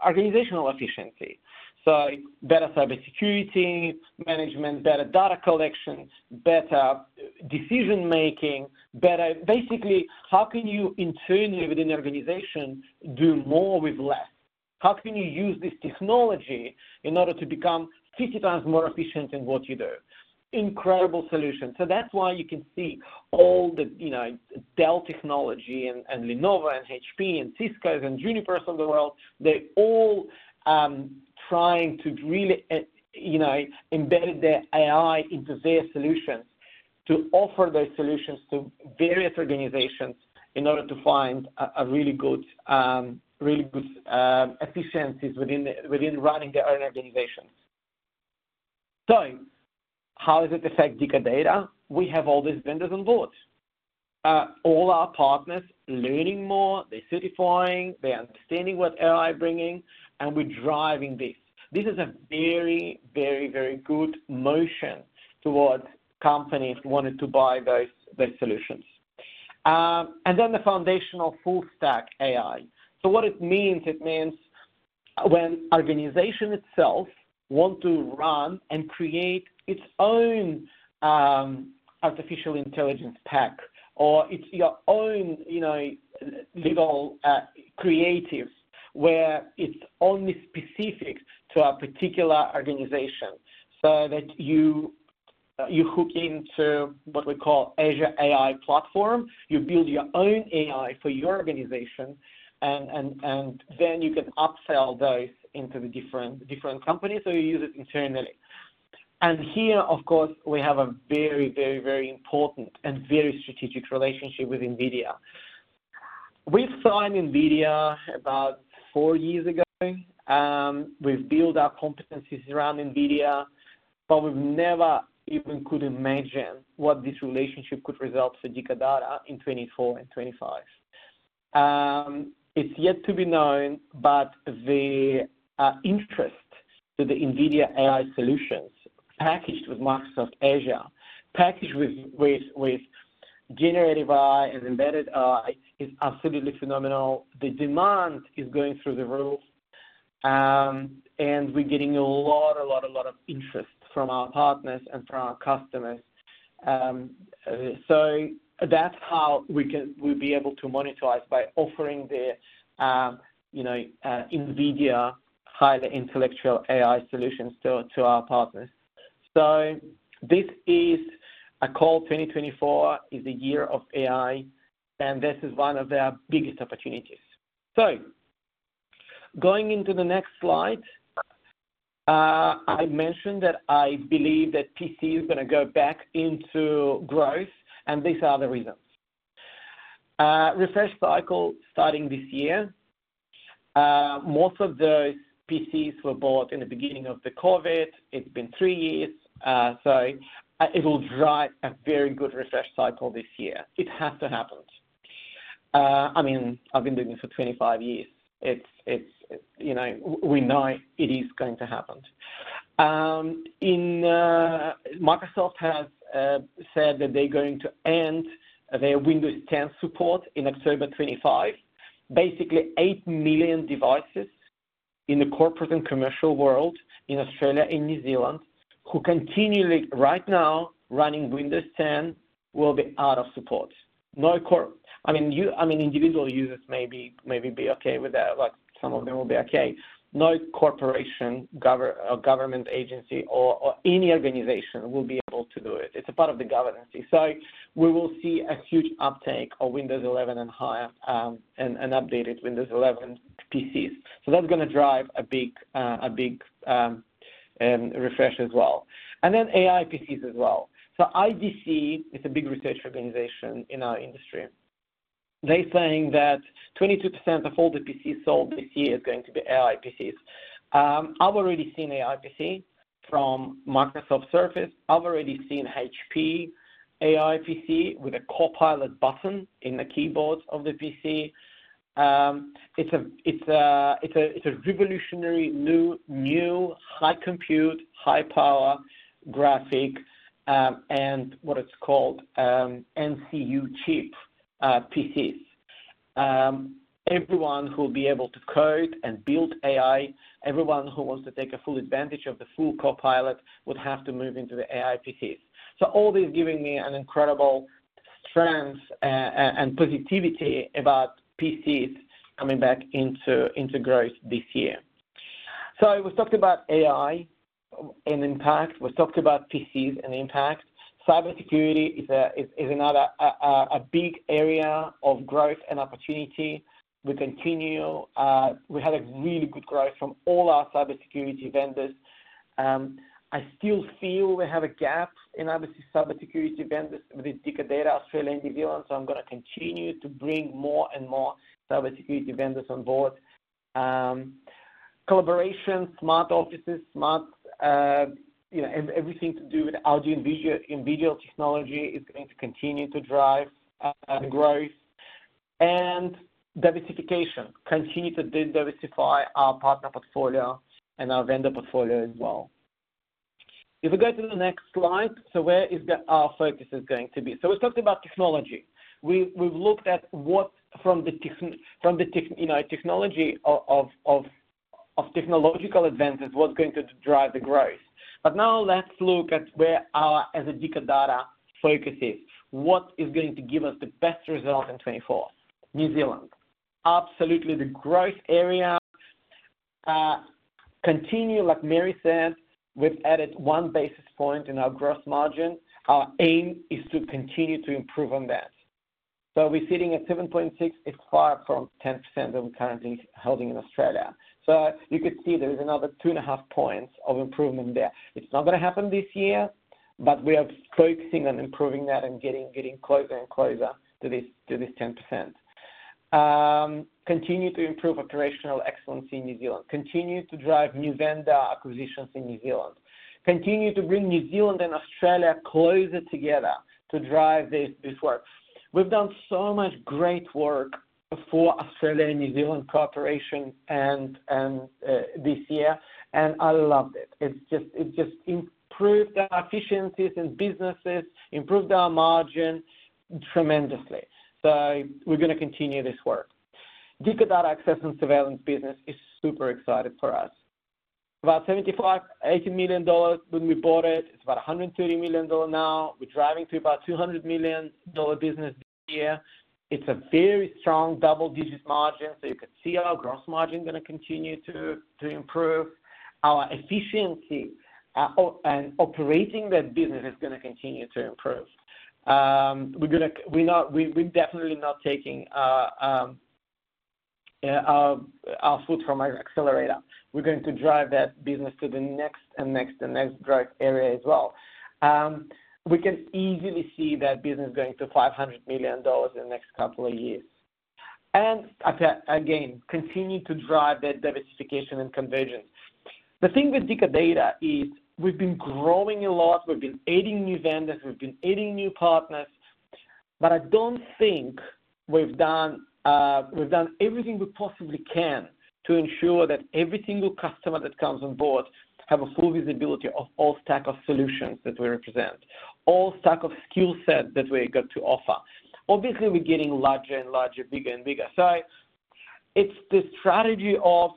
organizational efficiency. So better cybersecurity management, better data collection, better decision-making, better basically, how can you internally within the organization do more with less? How can you use this technology in order to become 50 times more efficient in what you do? Incredible solution. So that's why you can see all the Dell Technologies and Lenovo and HP and Ciscos and Junipers of the world, they're all trying to really embedded their AI into their solutions to offer those solutions to various organizations in order to find really good efficiencies within running their own organizations. So how does it affect Dicker Data? We have all these vendors on board. All our partners learning more. They're certifying. They're understanding what AI is bringing, and we're driving this. This is a very, very, very good motion towards companies wanting to buy those solutions. And then the foundational full-stack AI. So what it means, it means when an organization itself wants to run and create its own artificial intelligence pack or your own little creative where it's only specific to a particular organization so that you hook into what we call Azure AI Platform. You build your own AI for your organization, and then you can upsell those into the different companies or you use it internally. And here, of course, we have a very, very, very important and very strategic relationship with NVIDIA. We've signed NVIDIA about 4 years ago. We've built our competencies around NVIDIA, but we've never even could imagine what this relationship could result for Dicker Data in 2024 and 2025. It's yet to be known, but the interest to the NVIDIA AI solutions packaged with Microsoft Azure, packaged with generative AI and embedded AI is absolutely phenomenal. The demand is going through the roof, and we're getting a lot, a lot, a lot of interest from our partners and from our customers. So that's how we'll be able to monetize by offering the NVIDIA highly intellectual AI solutions to our partners. So this is a call. 2024 is a year of AI, and this is one of their biggest opportunities. So going into the next slide, I mentioned that I believe that PC is going to go back into growth, and these are the reasons. Refresh cycle starting this year. Most of those PCs were bought in the beginning of COVID. It's been 3 years. So it will drive a very good refresh cycle this year. It has to happen. I mean, I've been doing this for 25 years. We know it is going to happen. Microsoft has said that they're going to end their Windows 10 support in October 2025. Basically, 8 million devices in the corporate and commercial world in Australia and New Zealand who continually right now running Windows 10 will be out of support. I mean, individual users may be okay with that. Some of them will be okay. No corporation or government agency or any organization will be able to do it. It's a part of the governance. So we will see a huge uptake of Windows 11 and higher and updated Windows 11 PCs. So that's going to drive a big refresh as well. And then AI PCs as well. So IDC is a big research organization in our industry. They're saying that 22% of all the PCs sold this year is going to be AI PCs. I've already seen AI PC from Microsoft Surface. I've already seen HP AI PC with a Copilot button in the keyboard of the PC. It's a revolutionary new high-compute, high-power graphic and what it's called NPU chip PCs. Everyone who will be able to code and build AI, everyone who wants to take full advantage of the full Copilot would have to move into the AI PCs. So all this is giving me an incredible strength and positivity about PCs coming back into growth this year. So we've talked about AI and impact. We've talked about PCs and impact. Cybersecurity is another big area of growth and opportunity. We had a really good growth from all our cybersecurity vendors. I still feel we have a gap in cybersecurity vendors with Dicker Data, Australia and New Zealand. So I'm going to continue to bring more and more cybersecurity vendors on board. Collaboration, smart offices, everything to do with audio and video technology is going to continue to drive growth and diversification, continue to diversify our partner portfolio and our vendor portfolio as well. If we go to the next slide, so where is our focus going to be? So we've talked about technology. We've looked at what from the technology of technological advances, what's going to drive the growth. But now let's look at where our Dicker Data focus is. What is going to give us the best result in 2024? New Zealand, absolutely the growth area. Continue, like Mary said, we've added one basis point in our gross margin. Our aim is to continue to improve on that. So we're sitting at 7.6. It's far from 10% that we're currently holding in Australia. So you could see there is another two and a half points of improvement there. It's not going to happen this year, but we are focusing on improving that and getting closer and closer to this 10%. Continue to improve operational excellence in New Zealand. Continue to drive new vendor acquisitions in New Zealand. Continue to bring New Zealand and Australia closer together to drive this work. We've done so much great work for Australia and New Zealand cooperation this year, and I loved it. It just improved our efficiencies and businesses, improved our margin tremendously. So we're going to continue this work. Dicker Data Access and Surveillance business is super excited for us. About 75 million-80 million dollars when we bought it. It's about 130 million dollar now. We're driving to about 200 million dollar business this year. It's a very strong double-digit margin. So you could see our gross margin going to continue to improve. Our efficiency and operating that business is going to continue to improve. We're definitely not taking our foot from our accelerator. We're going to drive that business to the next and next and next growth area as well. We can easily see that business going to 500 million dollars in the next couple of years. And again, continue to drive that diversification and convergence. The thing with Dicker Data is we've been growing a lot. We've been adding new vendors. We've been adding new partners. But I don't think we've done everything we possibly can to ensure that every single customer that comes on board has a full visibility of all stack of solutions that we represent, all stack of skill sets that we got to offer. Obviously, we're getting larger and larger, bigger and bigger. So it's the strategy of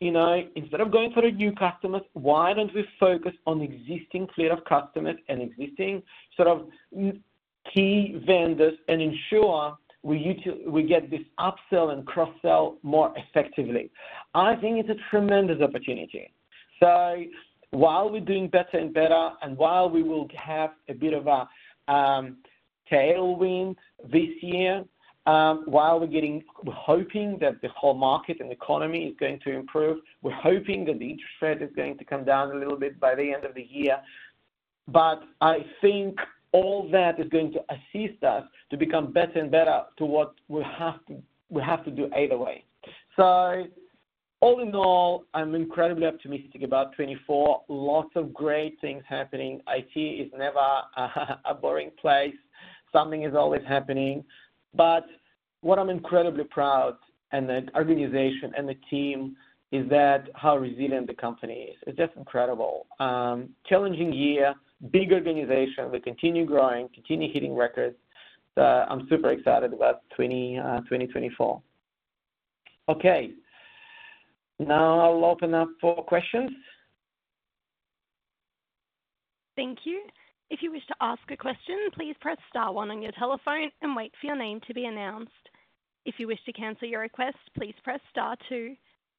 instead of going for new customers, why don't we focus on existing cadre of customers and existing sort of key vendors and ensure we get this upsell and cross-sell more effectively? I think it's a tremendous opportunity. So while we're doing better and better and while we will have a bit of a tailwind this year, while we're hoping that the whole market and economy is going to improve, we're hoping that the interest rate is going to come down a little bit by the end of the year. But I think all that is going to assist us to become better and better to what we have to do either way. So all in all, I'm incredibly optimistic about 2024. Lots of great things happening. IT is never a boring place. Something is always happening. But what I'm incredibly proud of in the organization and the team is how resilient the company is. It's just incredible. Challenging year, big organization. We continue growing, continue hitting records. So I'm super excited about 2024. Okay. Now I'll open up for questions. Thank you. If you wish to ask a question, please press star one on your telephone and wait for your name to be announced. If you wish to cancel your request, please press star two.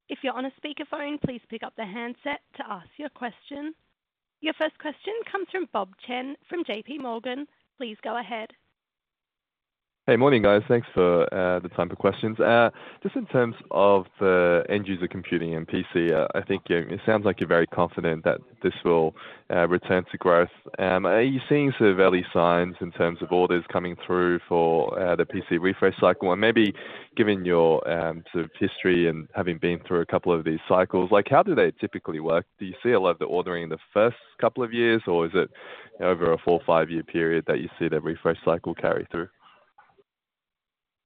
If you're on a speakerphone, please pick up the handset to ask your question. Your first question comes from Bob Chen from JPMorgan. Please go ahead. Hey, morning, guys. Thanks for the time for questions. Just in terms of the end-user computing and PC, I think it sounds like you're very confident that this will return to growth. Are you seeing sort of early signs in terms of orders coming through for the PC refresh cycle? And maybe given your sort of history and having been through a couple of these cycles, how do they typically work? Do you see a lot of the ordering in the first couple of years, or is it over a four or five-year period that you see the refresh cycle carry through?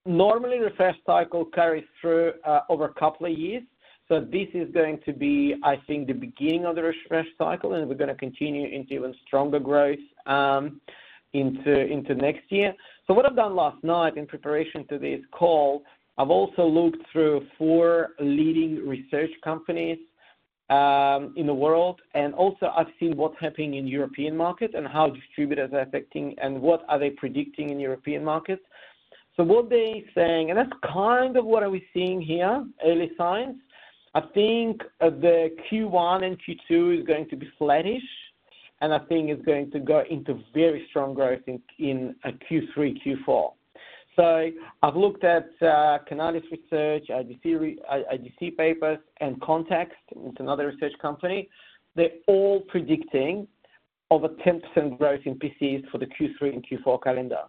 Normally, refresh cycle carries through over a couple of years. So this is going to be, I think, the beginning of the refresh cycle, and we're going to continue into even stronger growth into next year. So what I've done last night in preparation to this call, I've also looked through four leading research companies in the world. And also, I've seen what's happening in European markets and how distributors are affecting and what are they predicting in European markets. So what they're saying and that's kind of what are we seeing here, early signs. I think the Q1 and Q2 is going to be flattish, and I think it's going to go into very strong growth in Q3, Q4. So I've looked at Canalys Research, IDC Papers, and Context. It's another research company. They're all predicting over 10% growth in PCs for the Q3 and Q4 calendar.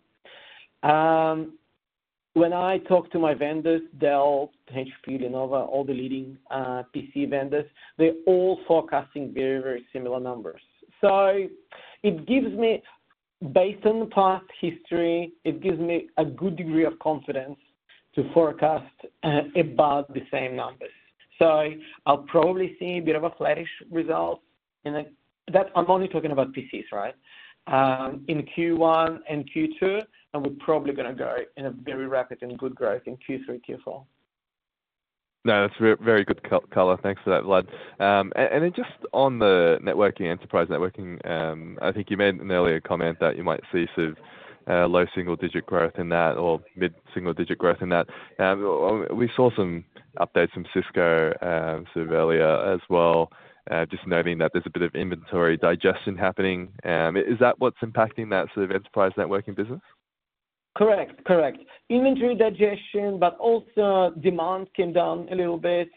When I talk to my vendors, Dell, HP, Lenovo, all the leading PC vendors, they're all forecasting very, very similar numbers. So based on the past history, it gives me a good degree of confidence to forecast about the same numbers. So I'll probably see a bit of a flattish result in a I'm only talking about PCs, right? In Q1 and Q2, and we're probably going to go in a very rapid and good growth in Q3, Q4. No, that's very good, colour. Thanks for that, Vlad. And then just on the enterprise networking, I think you made an earlier comment that you might see sort of low single-digit growth in that or mid-single-digit growth in that. We saw some updates from Cisco sort of earlier as well, just noting that there's a bit of inventory digestion happening. Is that what's impacting that sort of enterprise networking business? Correct. Correct. Inventory digestion, but also demand came down a little bit.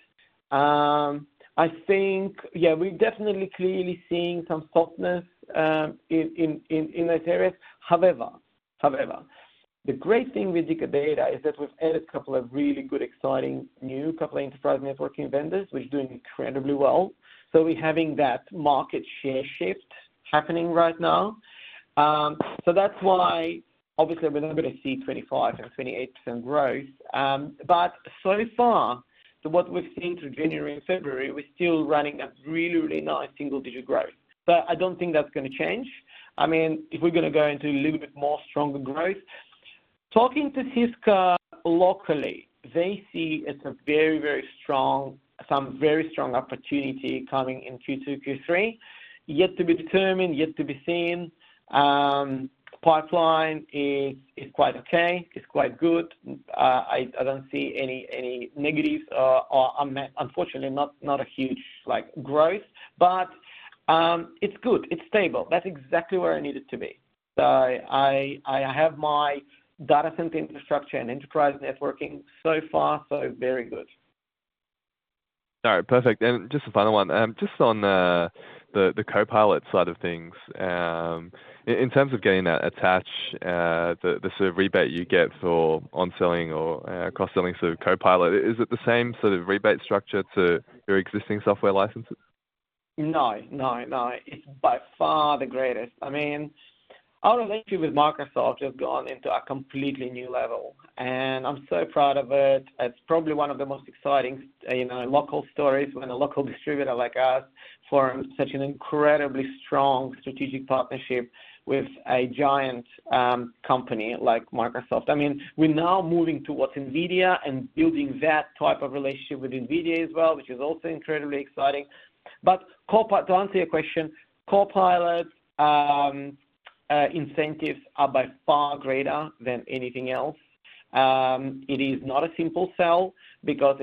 I think, yeah, we're definitely clearly seeing some softness in those areas. However, the great thing with Dicker Data is that we've added a couple of really good, exciting new couple of enterprise networking vendors, which are doing incredibly well. So we're having that market share shift happening right now. So that's why, obviously, we're not going to see 25% and 28% growth. But so far, what we've seen through January and February, we're still running a really, really nice single-digit growth. So I don't think that's going to change. I mean, if we're going to go into a little bit more stronger growth. Talking to Cisco locally, they see it's a very, very strong some very strong opportunity coming in Q2, Q3. Yet to be determined, yet to be seen. Pipeline is quite okay. It's quite good. I don't see any negatives. Unfortunately, not a huge growth. But it's good. It's stable. That's exactly where I need it to be. So I have my data center infrastructure and enterprise networking so far, so very good. All right. Perfect. And just the final one, just on the Copilot side of things, in terms of getting that attach, the sort of rebate you get for on-selling or cross-selling sort of Copilot, is it the same sort of rebate structure to your existing software licenses? No. No. No. It's by far the greatest. I mean, our relationship with Microsoft has gone into a completely new level, and I'm so proud of it. It's probably one of the most exciting local stories when a local distributor like us forms such an incredibly strong strategic partnership with a giant company like Microsoft. I mean, we're now moving towards NVIDIA and building that type of relationship with NVIDIA as well, which is also incredibly exciting. But to answer your question, Copilot incentives are by far greater than anything else. It is not a simple sell because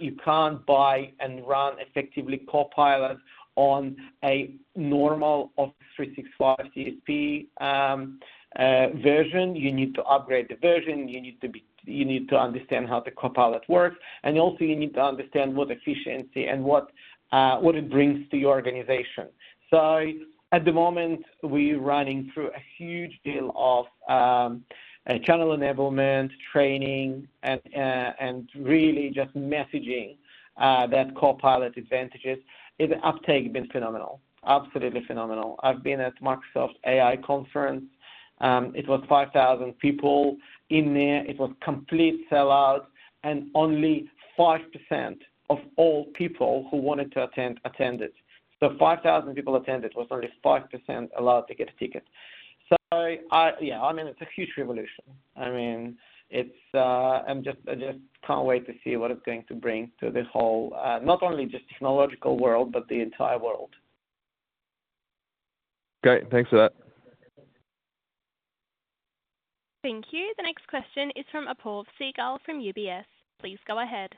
you can't buy and run effectively Copilot on a normal Office 365 CSP version. You need to upgrade the version. You need to understand how the Copilot works. And also, you need to understand what efficiency and what it brings to your organization. So at the moment, we're running through a huge deal of channel enablement, training, and really just messaging that Copilot advantages. The uptake has been phenomenal, absolutely phenomenal. I've been at Microsoft AI conference. It was 5,000 people in there. It was complete sellout, and only 5% of all people who wanted to attend attended. So 5,000 people attended. It was only 5% allowed to get a ticket. So yeah, I mean, it's a huge revolution. I mean, I just can't wait to see what it's going to bring to the whole not only just technological world, but the entire world. Great. Thanks for that. Thank you. The next question is from Paul Segal from UBS. Please go ahead.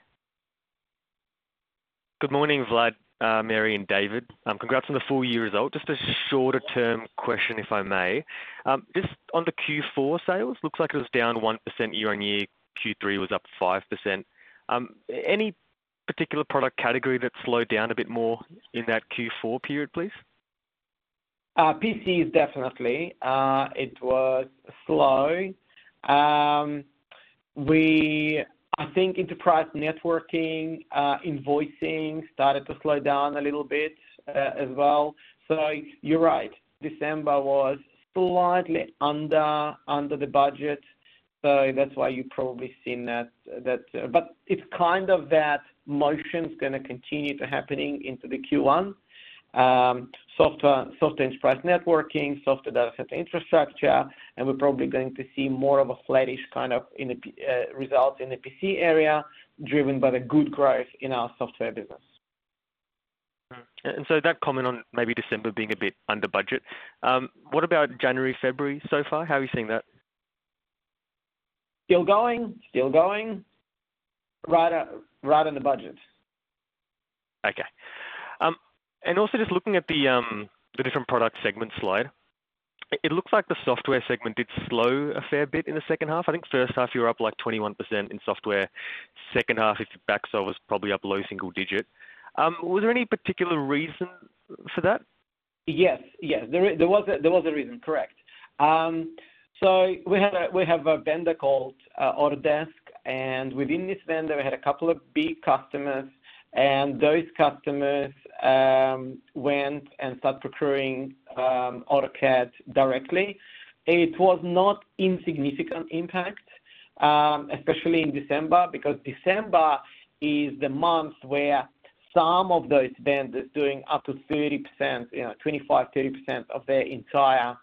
Good morning, Vlad, Mary, and David. Congrats on the full-year result. Just a shorter-term question, if I may. Just on the Q4 sales, it looks like it was down 1% year-on-year. Q3 was up 5%. Any particular product category that slowed down a bit more in that Q4 period, please? PCs, definitely. It was slow. I think enterprise networking invoicing started to slow down a little bit as well. So you're right. December was slightly under the budget. So that's why you've probably seen that. But it's kind of that motion is going to continue to happen into the Q1. Software, enterprise networking, software, data center infrastructure, and we're probably going to see more of a flattish kind of result in the PC area driven by the good growth in our software business. And so that comment on maybe December being a bit under budget, what about January, February so far? How are you seeing that? Still going. Still going. Right under budget. Okay. And also just looking at the different product segments slide, it looks like the software segment did slow a fair bit in the second half. I think first half, you were up like 21% in software. Second half, if you backsolve us, probably up low single digit. Was there any particular reason for that? Yes. Yes. There was a reason. Correct. So we have a vendor called Autodesk, and within this vendor, we had a couple of big customers. And those customers went and started procuring AutoCAD directly. It was not insignificant impact, especially in December because December is the month where some of those vendors are doing up to 25%, 30% of their entire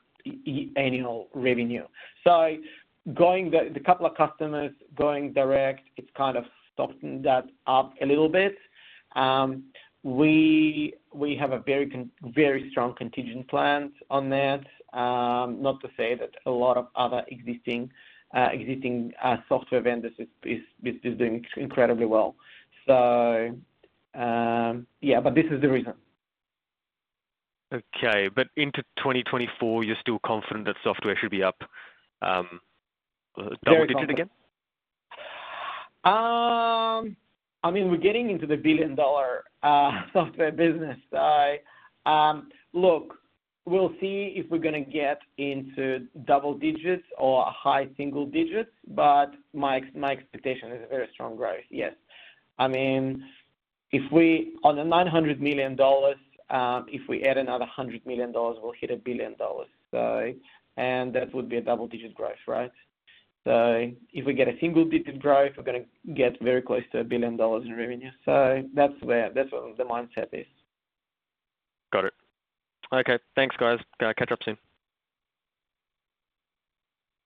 annual revenue. So the couple of customers going direct, it's kind of softened that up a little bit. We have a very strong contingent plan on that. Not to say that a lot of other existing software vendors are doing incredibly well. So yeah, but this is the reason. Okay. But into 2024, you're still confident that software should be up double-digit again? I mean, we're getting into the billion-dollar software business. Look, we'll see if we're going to get into double digits or high single digits, but my expectation is very strong growth. Yes. I mean, on a 900 million dollars, if we add another 100 million dollars, we'll hit 1 billion dollars. And that would be a double-digit growth, right? So if we get a single-digit growth, we're going to get very close to 1 billion dollars in revenue. So that's where the mindset is. Got it. Okay. Thanks, guys. Catch up soon.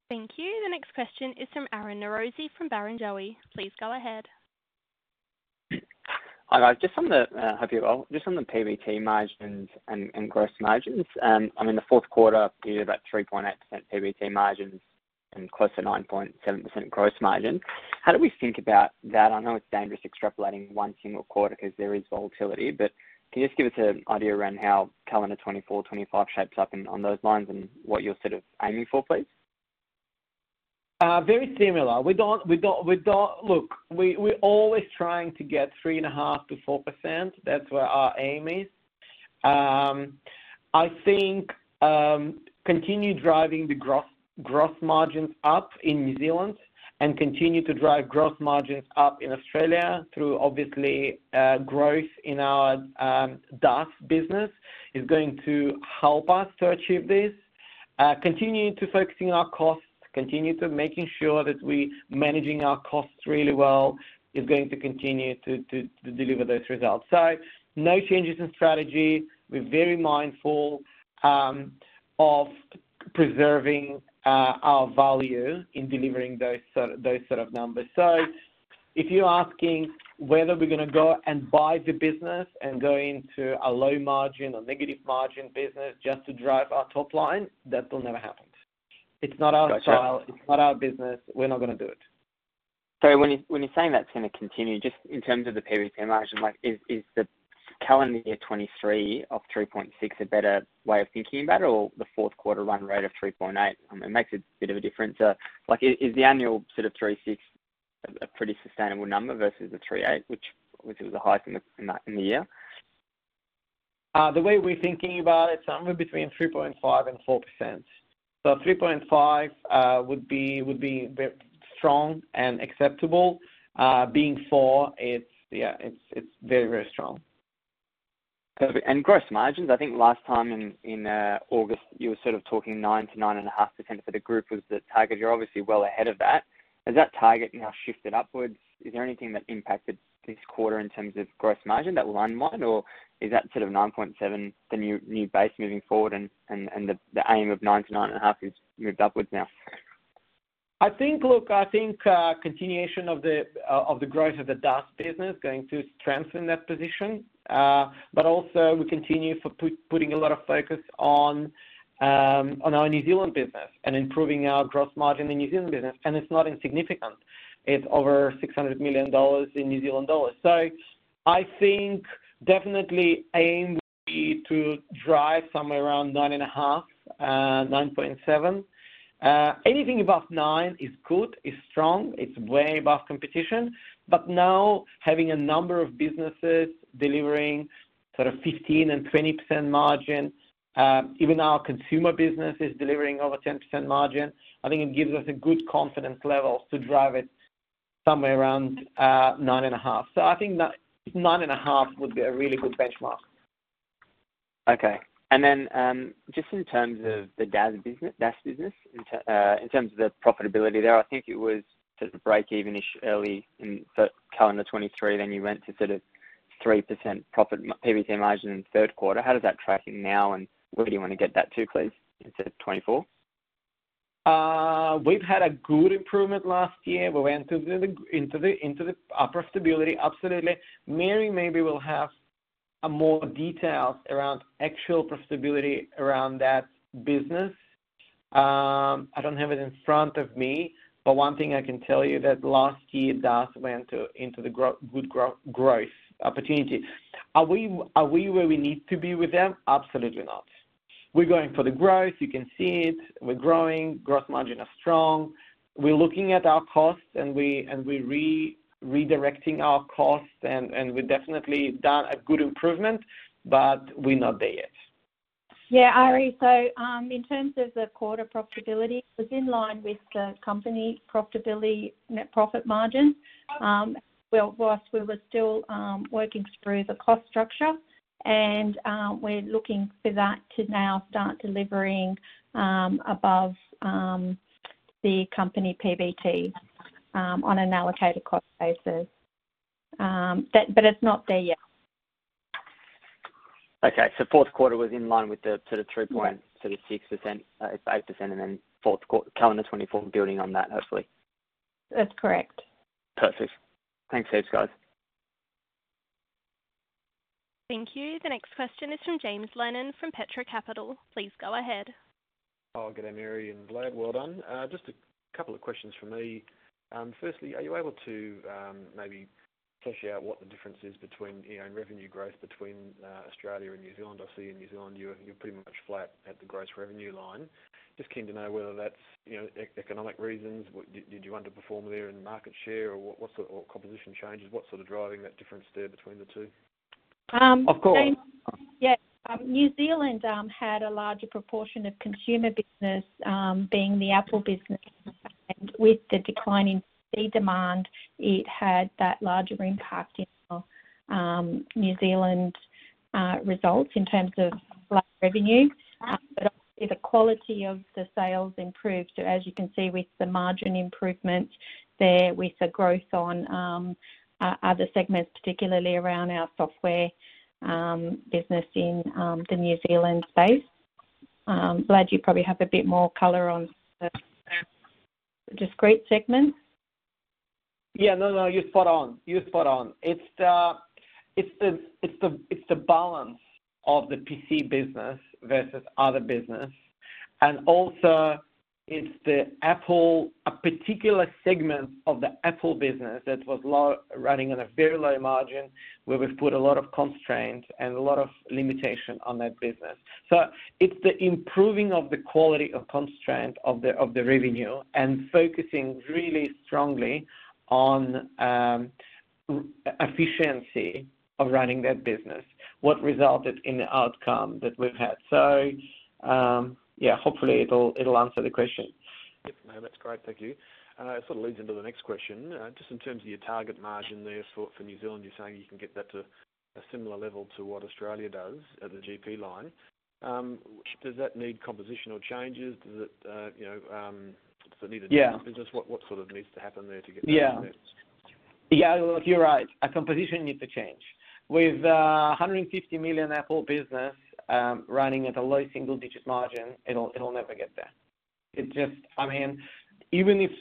Thank you. The next question is from Aryan Norozi from Barrenjoey. Please go ahead. Hi, guys. Just from the PBT margins and gross margins, I mean, the fourth quarter, you had about 3.8% PBT margins and close to 9.7% gross margin. How do we think about that? I know it's dangerous extrapolating one single quarter because there is volatility, but can you just give us an idea around how calendar 2024, 2025 shapes up on those lines and what you're sort of aiming for, please? Very similar. Look, we're always trying to get 3.5%-4%. That's where our aim is. I think continuing to drive the gross margins up in New Zealand and continue to drive gross margins up in Australia through, obviously, growth in our DAS business is going to help us to achieve this. Continuing to focus on our costs, continuing to make sure that we're managing our costs really well is going to continue to deliver those results. So no changes in strategy. We're very mindful of preserving our value in delivering those sort of numbers. So if you're asking whether we're going to go and buy the business and go into a low margin or negative margin business just to drive our top line, that will never happen. It's not our style. It's not our business. We're not going to do it. Sorry. When you're saying that's going to continue, just in terms of the PBT margin, is the calendar year 2023 of 3.6% a better way of thinking about it, or the fourth quarter run rate of 3.8%? I mean, it makes a bit of a difference. Is the annual sort of 3.6% a pretty sustainable number versus the 3.8%, which, obviously, was the highest in the year? The way we're thinking about it, somewhere between 3.5%-4%. So 3.5% would be strong and acceptable. Being 4%, yeah, it's very, very strong. Perfect. And gross margins, I think last time in August, you were sort of talking 9%-9.5% for the group was the target. You're obviously well ahead of that. Has that target now shifted upwards? Is there anything that impacted this quarter in terms of gross margin that will unwind, or is that sort of 9.7%, the new base moving forward, and the aim of 9%-9.5% is moved upwards now? I think, look, I think continuation of the growth of the DAS business is going to strengthen that position. But also, we continue putting a lot of focus on our New Zealand business and improving our gross margin in the New Zealand business. And it's not insignificant. It's over 600 million dollars in New Zealand dollars. So I think, definitely, the aim would be to drive somewhere around 9.5%-9.7%. Anything above 9% is good, is strong. It's way above competition. But now, having a number of businesses delivering sort of 15% and 20% margin, even our consumer business is delivering over 10% margin, I think it gives us a good confidence level to drive it somewhere around 9.5%. So I think 9.5% would be a really good benchmark. Okay. And then just in terms of the DAS business, in terms of the profitability there, I think it was sort of break-even-ish early in calendar 2023. Then you went to sort of 3% PBT margin in third quarter. How does that track in now, and where do you want to get that to, please, in 2024? We've had a good improvement last year. We went into the upper profitability, absolutely. Mary, maybe, will have more details around actual profitability around that business. I don't have it in front of me. But one thing I can tell you is that last year, DAS went into the good growth opportunity. Are we where we need to be with them? Absolutely not. We're going for the growth. You can see it. We're growing. Gross margin is strong. We're looking at our costs, and we're redirecting our costs. And we've definitely done a good improvement, but we're not there yet. Yeah, Ari. So in terms of the quarter profitability, it was in line with the company profitability net profit margin. While we were still working through the cost structure, and we're looking for that to now start delivering above the company PBT on an allocated cost basis. But it's not there yet. Okay. So fourth quarter was in line with the sort of 3.6%, 3.8%, and then calendar 2024 building on that, hopefully? That's correct. Perfect. Thanks, Dave guys. Thank you. The next question is from James Lennon from Petra Capital. Please go ahead. Oh, good day, Mary. Hi, Vlad. Well done. Just a couple of questions from me. Firstly, are you able to maybe flesh out what the difference is between revenue growth between Australia and New Zealand? I see in New Zealand, you're pretty much flat at the gross revenue line. Just keen to know whether that's economic reasons. Did you underperform there in market share, or what sort of composition changes? What's sort of driving that difference there between the two? Of course. Yes. New Zealand had a larger proportion of consumer business being the Apple business. With the declining PC demand, it had that larger impact in New Zealand results in terms of flat revenue. Obviously, the quality of the sales improved. As you can see with the margin improvement there, with the growth on other segments, particularly around our software business in the New Zealand space. Vlad, you probably have a bit more color on the discrete segments. Yeah. No, no. You're spot on. You're spot on. It's the balance of the PC business versus other business. And also, it's a particular segment of the Apple business that was running on a very low margin where we've put a lot of constraints and a lot of limitation on that business. So it's the improving of the quality of constraint of the revenue and focusing really strongly on efficiency of running that business, what resulted in the outcome that we've had. So yeah, hopefully, it'll answer the question. Yep. No, that's great. Thank you. It sort of leads into the next question. Just in terms of your target margin there for New Zealand, you're saying you can get that to a similar level to what Australia does at the GP line. Does that need compositional changes? Does it need a different business? What sort of needs to happen there to get that to that? Yeah. Yeah. Look, you're right. Our composition needs to change. With an 150 million Apple business running at a low single-digit margin, it'll never get there. I mean, even if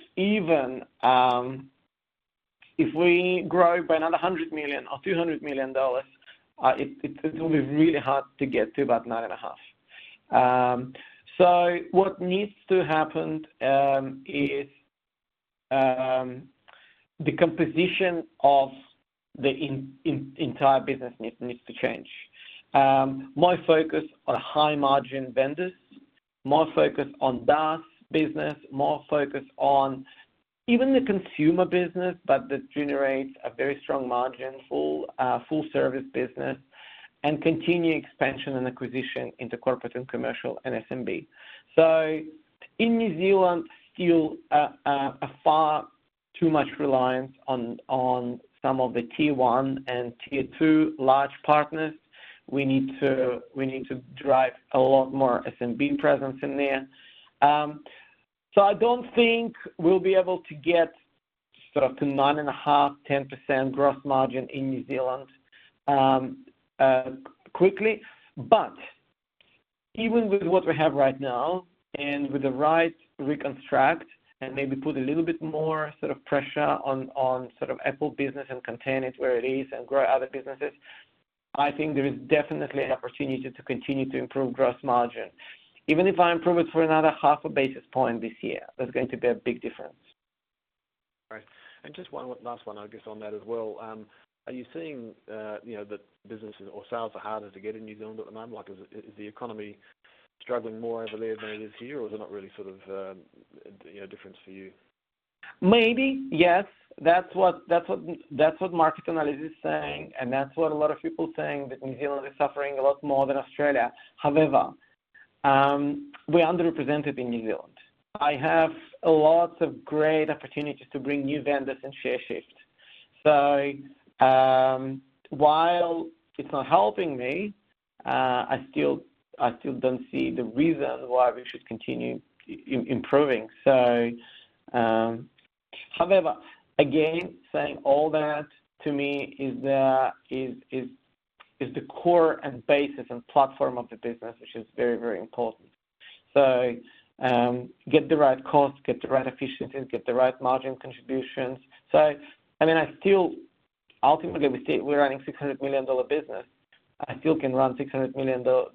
we grow by another 100 million or 200 million dollars, it'll be really hard to get to about 9.5. So what needs to happen is the composition of the entire business needs to change. More focus on high-margin vendors, more focus on DAS business, more focus on even the consumer business but that generates a very strong margin, full-service business, and continue expansion and acquisition into corporate and commercial and SMB. So in New Zealand, still far too much reliance on some of the Tier 1 and Tier 2 large partners. We need to drive a lot more SMB presence in there. So I don't think we'll be able to get sort of to 9.5%-10% gross margin in New Zealand quickly. But even with what we have right now and with the right reconstruct and maybe put a little bit more sort of pressure on sort of Apple business and contain it where it is and grow other businesses, I think there is definitely an opportunity to continue to improve gross margin. Even if I improve it for another half a basis point this year, that's going to be a big difference. Right. And just one last one, I guess, on that as well. Are you seeing that businesses or sales are harder to get in New Zealand at the moment? Is the economy struggling more over there than it is here, or is it not really sort of a difference for you? Maybe. Yes. That's what market analysis is saying. That's what a lot of people are saying, that New Zealand is suffering a lot more than Australia. However, we're under-represented in New Zealand. I have lots of great opportunities to bring new vendors and share shift. So while it's not helping me, I still don't see the reason why we should continue improving. However, again, saying all that to me is the core and basis and platform of the business, which is very, very important. So get the right costs, get the right efficiencies, get the right margin contributions. So I mean, ultimately, we're running a 600 million dollar business. I still can run a 600 million dollar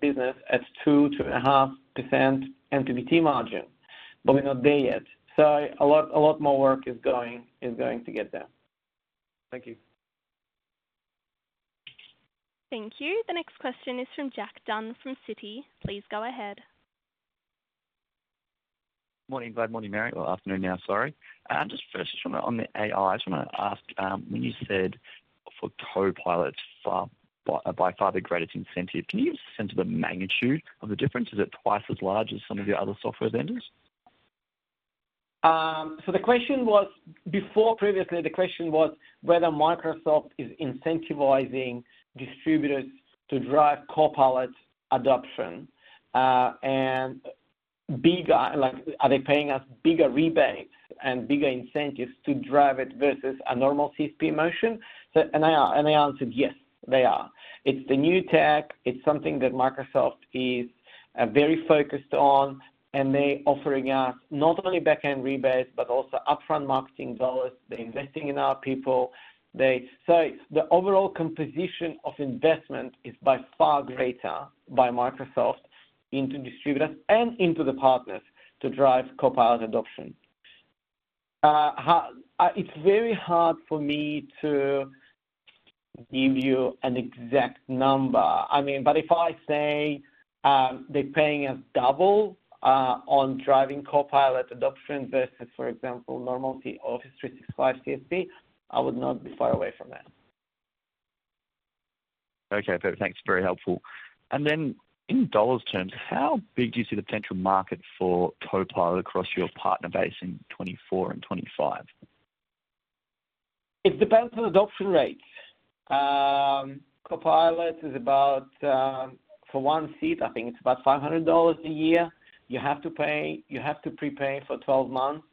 business at 2%-2.5% NPBT margin, but we're not there yet. So a lot more work is going to get there. Thank you. Thank you. The next question is from Jack Dunn from Citi. Please go ahead. Good morning, Vlad. Morning, Mary. Well, afternoon now. Sorry. Just first, just on the AI, I just want to ask, when you said for Copilot's by far the greatest incentive, can you give us a sense of the magnitude of the difference? Is it twice as large as some of your other software vendors? So the question was previously whether Microsoft is incentivizing distributors to drive Copilot adoption. And are they paying us bigger rebates and bigger incentives to drive it versus a normal CSP motion? And I answered, "Yes, they are." It's the new tech. It's something that Microsoft is very focused on. And they're offering us not only backend rebates but also upfront marketing dollars. They're investing in our people. So the overall composition of investment is by far greater by Microsoft into distributors and into the partners to drive Copilot adoption. It's very hard for me to give you an exact number. I mean, but if I say they're paying us double on driving Copilot adoption versus, for example, normal Office 365 CSP, I would not be far away from that. Okay. Perfect. Thanks. Very helpful. And then in dollars terms, how big do you see the potential market for Copilot across your partner base in 2024 and 2025? It depends on adoption rates. Copilot is about for one seat, I think it's about $500 a year. You have to pay. You have to prepay for 12 months.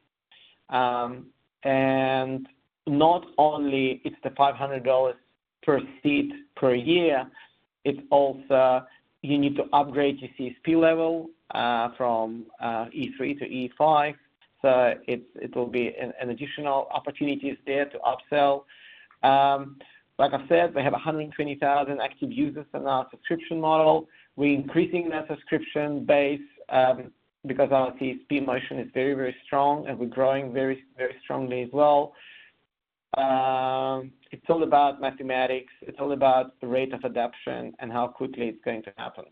And not only is it the $500 per seat per year, it's also you need to upgrade your CSP level from E3 to E5. So it will be an additional opportunity there to upsell. Like I've said, we have 120,000 active users in our subscription model. We're increasing that subscription base because our CSP motion is very, very strong, and we're growing very, very strongly as well. It's all about mathematics. It's all about the rate of adoption and how quickly it's going to happen.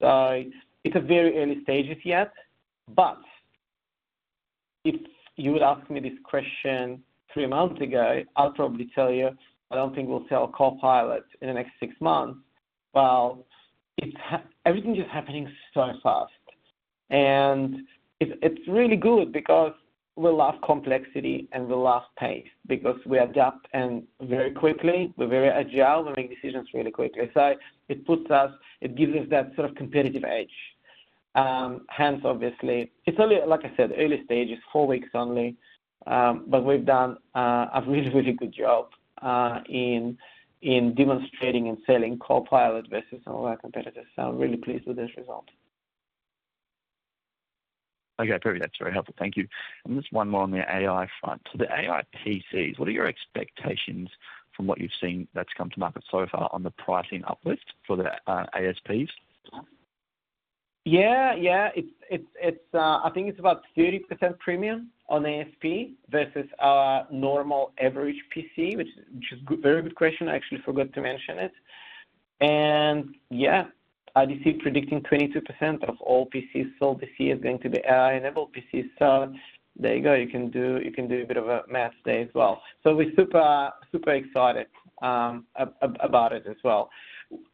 So it's at very early stages yet. But if you would ask me this question three months ago, I'll probably tell you, "I don't think we'll sell Copilot in the next six months." Well, everything is just happening so fast. And it's really good because we'll love complexity, and we'll love pace because we adapt very quickly. We're very agile. We make decisions really quickly. So it gives us that sort of competitive edge. Hence, obviously, it's only, like I said, early stages, four weeks only. But we've done a really, really good job in demonstrating and selling Copilot versus some of our competitors. So I'm really pleased with this result. Okay. Perfect. That's very helpful. Thank you. And just one more on the AI front. So the AI PCs, what are your expectations from what you've seen that's come to market so far on the pricing uplift for the ASPs? Yeah. Yeah. I think it's about 30% premium on ASP versus our normal average PC, which is a very good question. I actually forgot to mention it. And yeah, IDC predicting 22% of all PCs sold this year is going to be AI-enabled PCs. So there you go. You can do a bit of a math there as well. So we're super excited about it as well.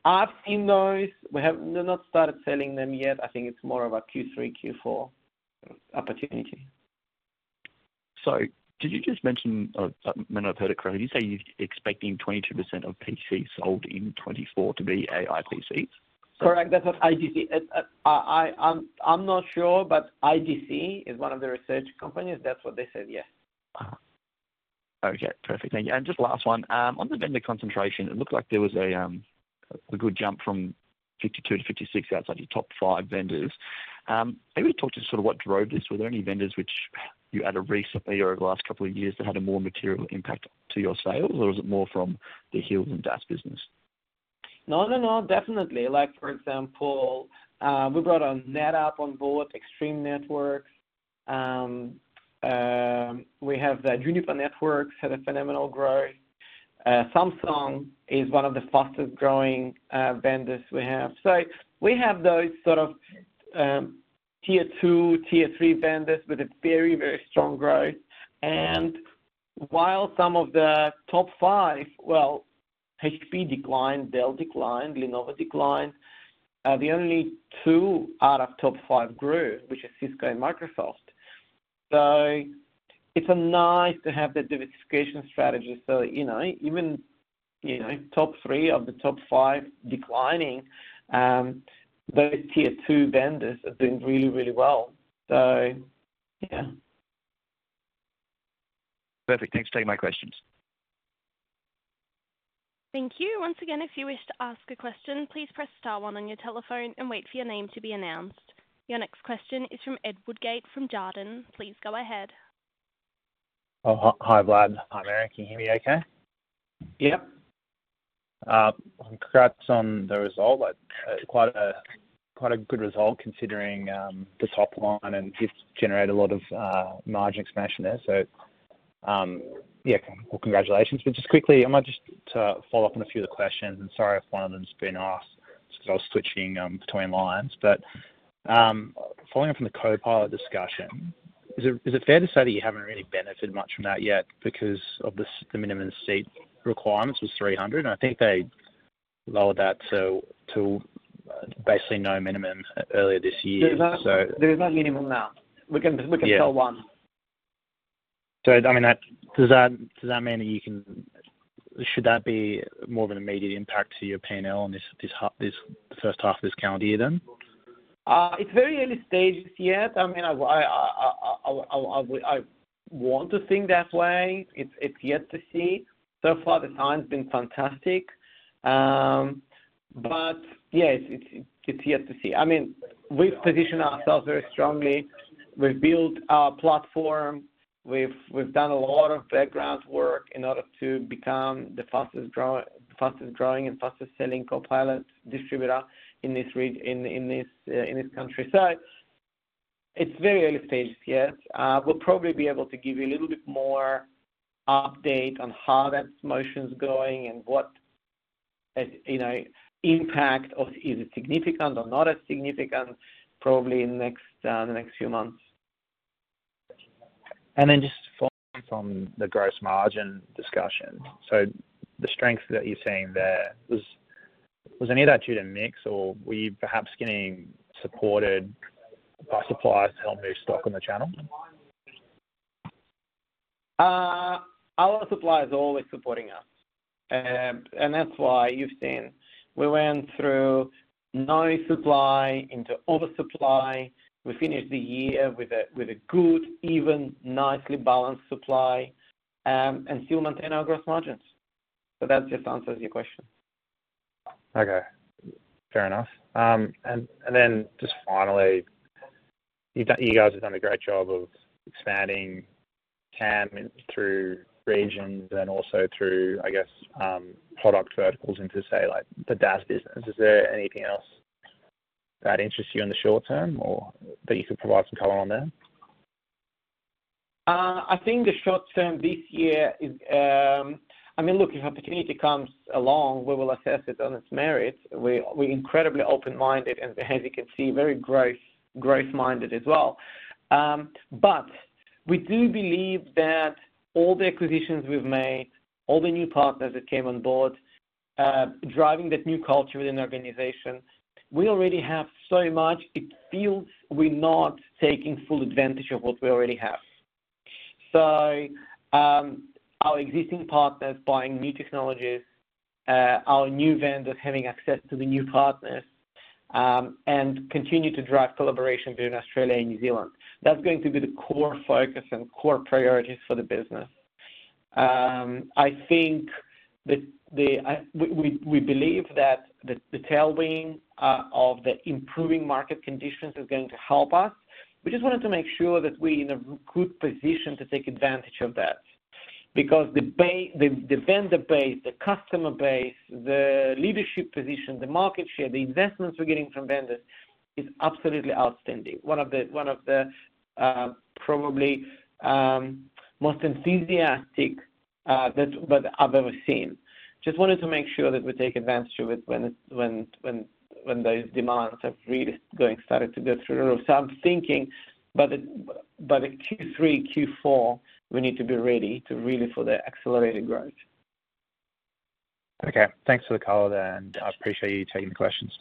I've seen those. We have not started selling them yet. I think it's more of a Q3, Q4 opportunity. Sorry. Did you just mention I may not have heard it correctly? Did you say you're expecting 22% of PCs sold in 2024 to be AI PCs? Correct. That's what IDC. I'm not sure, but IDC is one of the research companies. That's what they said. Yes. Okay. Perfect. Thank you. And just last one. On the vendor concentration, it looked like there was a good jump from 52 to 56 outside your top five vendors. Are you able to talk to sort of what drove this? Were there any vendors which you added recently or over the last couple of years that had a more material impact to your sales, or was it more from the Hills and DAS business? No, no, no. Definitely. For example, we brought our NetApp on board, Extreme Networks. We have Juniper Networks had a phenomenal growth. Samsung is one of the fastest-growing vendors we have. So we have those sort of Tier 2, Tier 3 vendors with a very, very strong growth. And while some of the top five, well, HP declined, Dell declined, Lenovo declined. The only two out of top five grew, which are Cisco and Microsoft. So it's nice to have that diversification strategy. So even top three of the top five declining, those Tier 2 vendors are doing really, really well. So yeah. Perfect. Thanks for taking my questions. Thank you. Once again, if you wish to ask a question, please press star one on your telephone and wait for your name to be announced. Your next question is from Ed Woodgate from Jarden. Please go ahead. Oh, hi, Vlad. Hi, Mary. Can you hear me okay? Yep. Congrats on the result. Quite a good result considering the top line, and it's generated a lot of margin expansion there. So yeah, well, congratulations. But just quickly, am I just to follow up on a few of the questions? And sorry if one of them's been asked just because I was switching between lines. But following up on the Copilot discussion, is it fair to say that you haven't really benefited much from that yet because of the minimum seat requirements was 300? And I think they lowered that to basically no minimum earlier this year, so. There is no minimum now. We can sell one. I mean, does that mean that you can should that be more of an immediate impact to your P&L in the first half of this calendar year then? It's very early stages yet. I mean, I want to think that way. It's yet to see. So far, the sign's been fantastic. But yeah, it's yet to see. I mean, we've positioned ourselves very strongly. We've built our platform. We've done a lot of background work in order to become the fastest-growing and fastest-selling Copilot distributor in this country. So it's very early stages, yes. We'll probably be able to give you a little bit more update on how that motion's going and what impact or is it significant or not as significant, probably in the next few months. And then just following up on the gross margin discussion, so the strength that you're seeing there, was any of that due to mix, or were you perhaps getting supported by suppliers to help move stock on the channel? Our suppliers are always supporting us. That's why you've seen we went through no supply into oversupply. We finished the year with a good, even, nicely balanced supply and still maintain our gross margins. That just answers your question. Okay. Fair enough. And then just finally, you guys have done a great job of expanding TAM through regions and then also through, I guess, product verticals into, say, the DAS business. Is there anything else that interests you in the short term or that you could provide some color on there? I think the short term this year is I mean, look, if opportunity comes along, we will assess it on its merits. We're incredibly open-minded, and as you can see, very growth-minded as well. But we do believe that all the acquisitions we've made, all the new partners that came on board, driving that new culture within the organization, we already have so much. It feels we're not taking full advantage of what we already have. So our existing partners buying new technologies, our new vendors having access to the new partners, and continue to drive collaboration between Australia and New Zealand, that's going to be the core focus and core priorities for the business. I think that we believe that the tailwind of the improving market conditions is going to help us. We just wanted to make sure that we're in a good position to take advantage of that because the vendor base, the customer base, the leadership position, the market share, the investments we're getting from vendors is absolutely outstanding. One of the probably most enthusiastic that I've ever seen. Just wanted to make sure that we take advantage of it when those demands are really starting to go through the roof. So I'm thinking by the Q3, Q4, we need to be ready really for the accelerated growth. Okay. Thanks for the call, then, and I appreciate you taking the questions.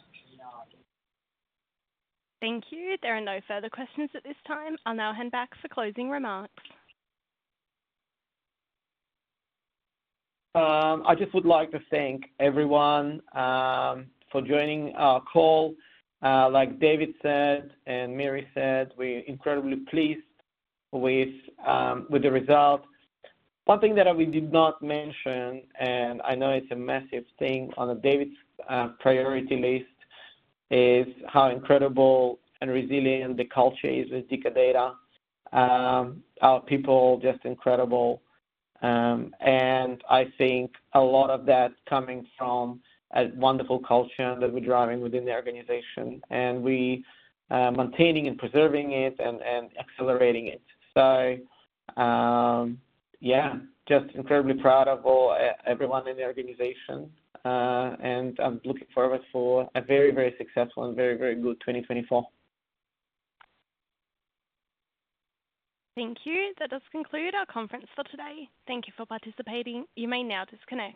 Thank you. There are no further questions at this time. I'll now hand back for closing remarks. I just would like to thank everyone for joining our call. Like David said and Mary said, we're incredibly pleased with the result. One thing that we did not mention, and I know it's a massive thing on David's priority list, is how incredible and resilient the culture is with Dicker Data. Our people, just incredible. And I think a lot of that coming from a wonderful culture that we're driving within the organization and maintaining and preserving it and accelerating it. So yeah, just incredibly proud of everyone in the organization. And I'm looking forward to a very, very successful and very, very good 2024. Thank you. That does conclude our conference for today. Thank you for participating. You may now disconnect.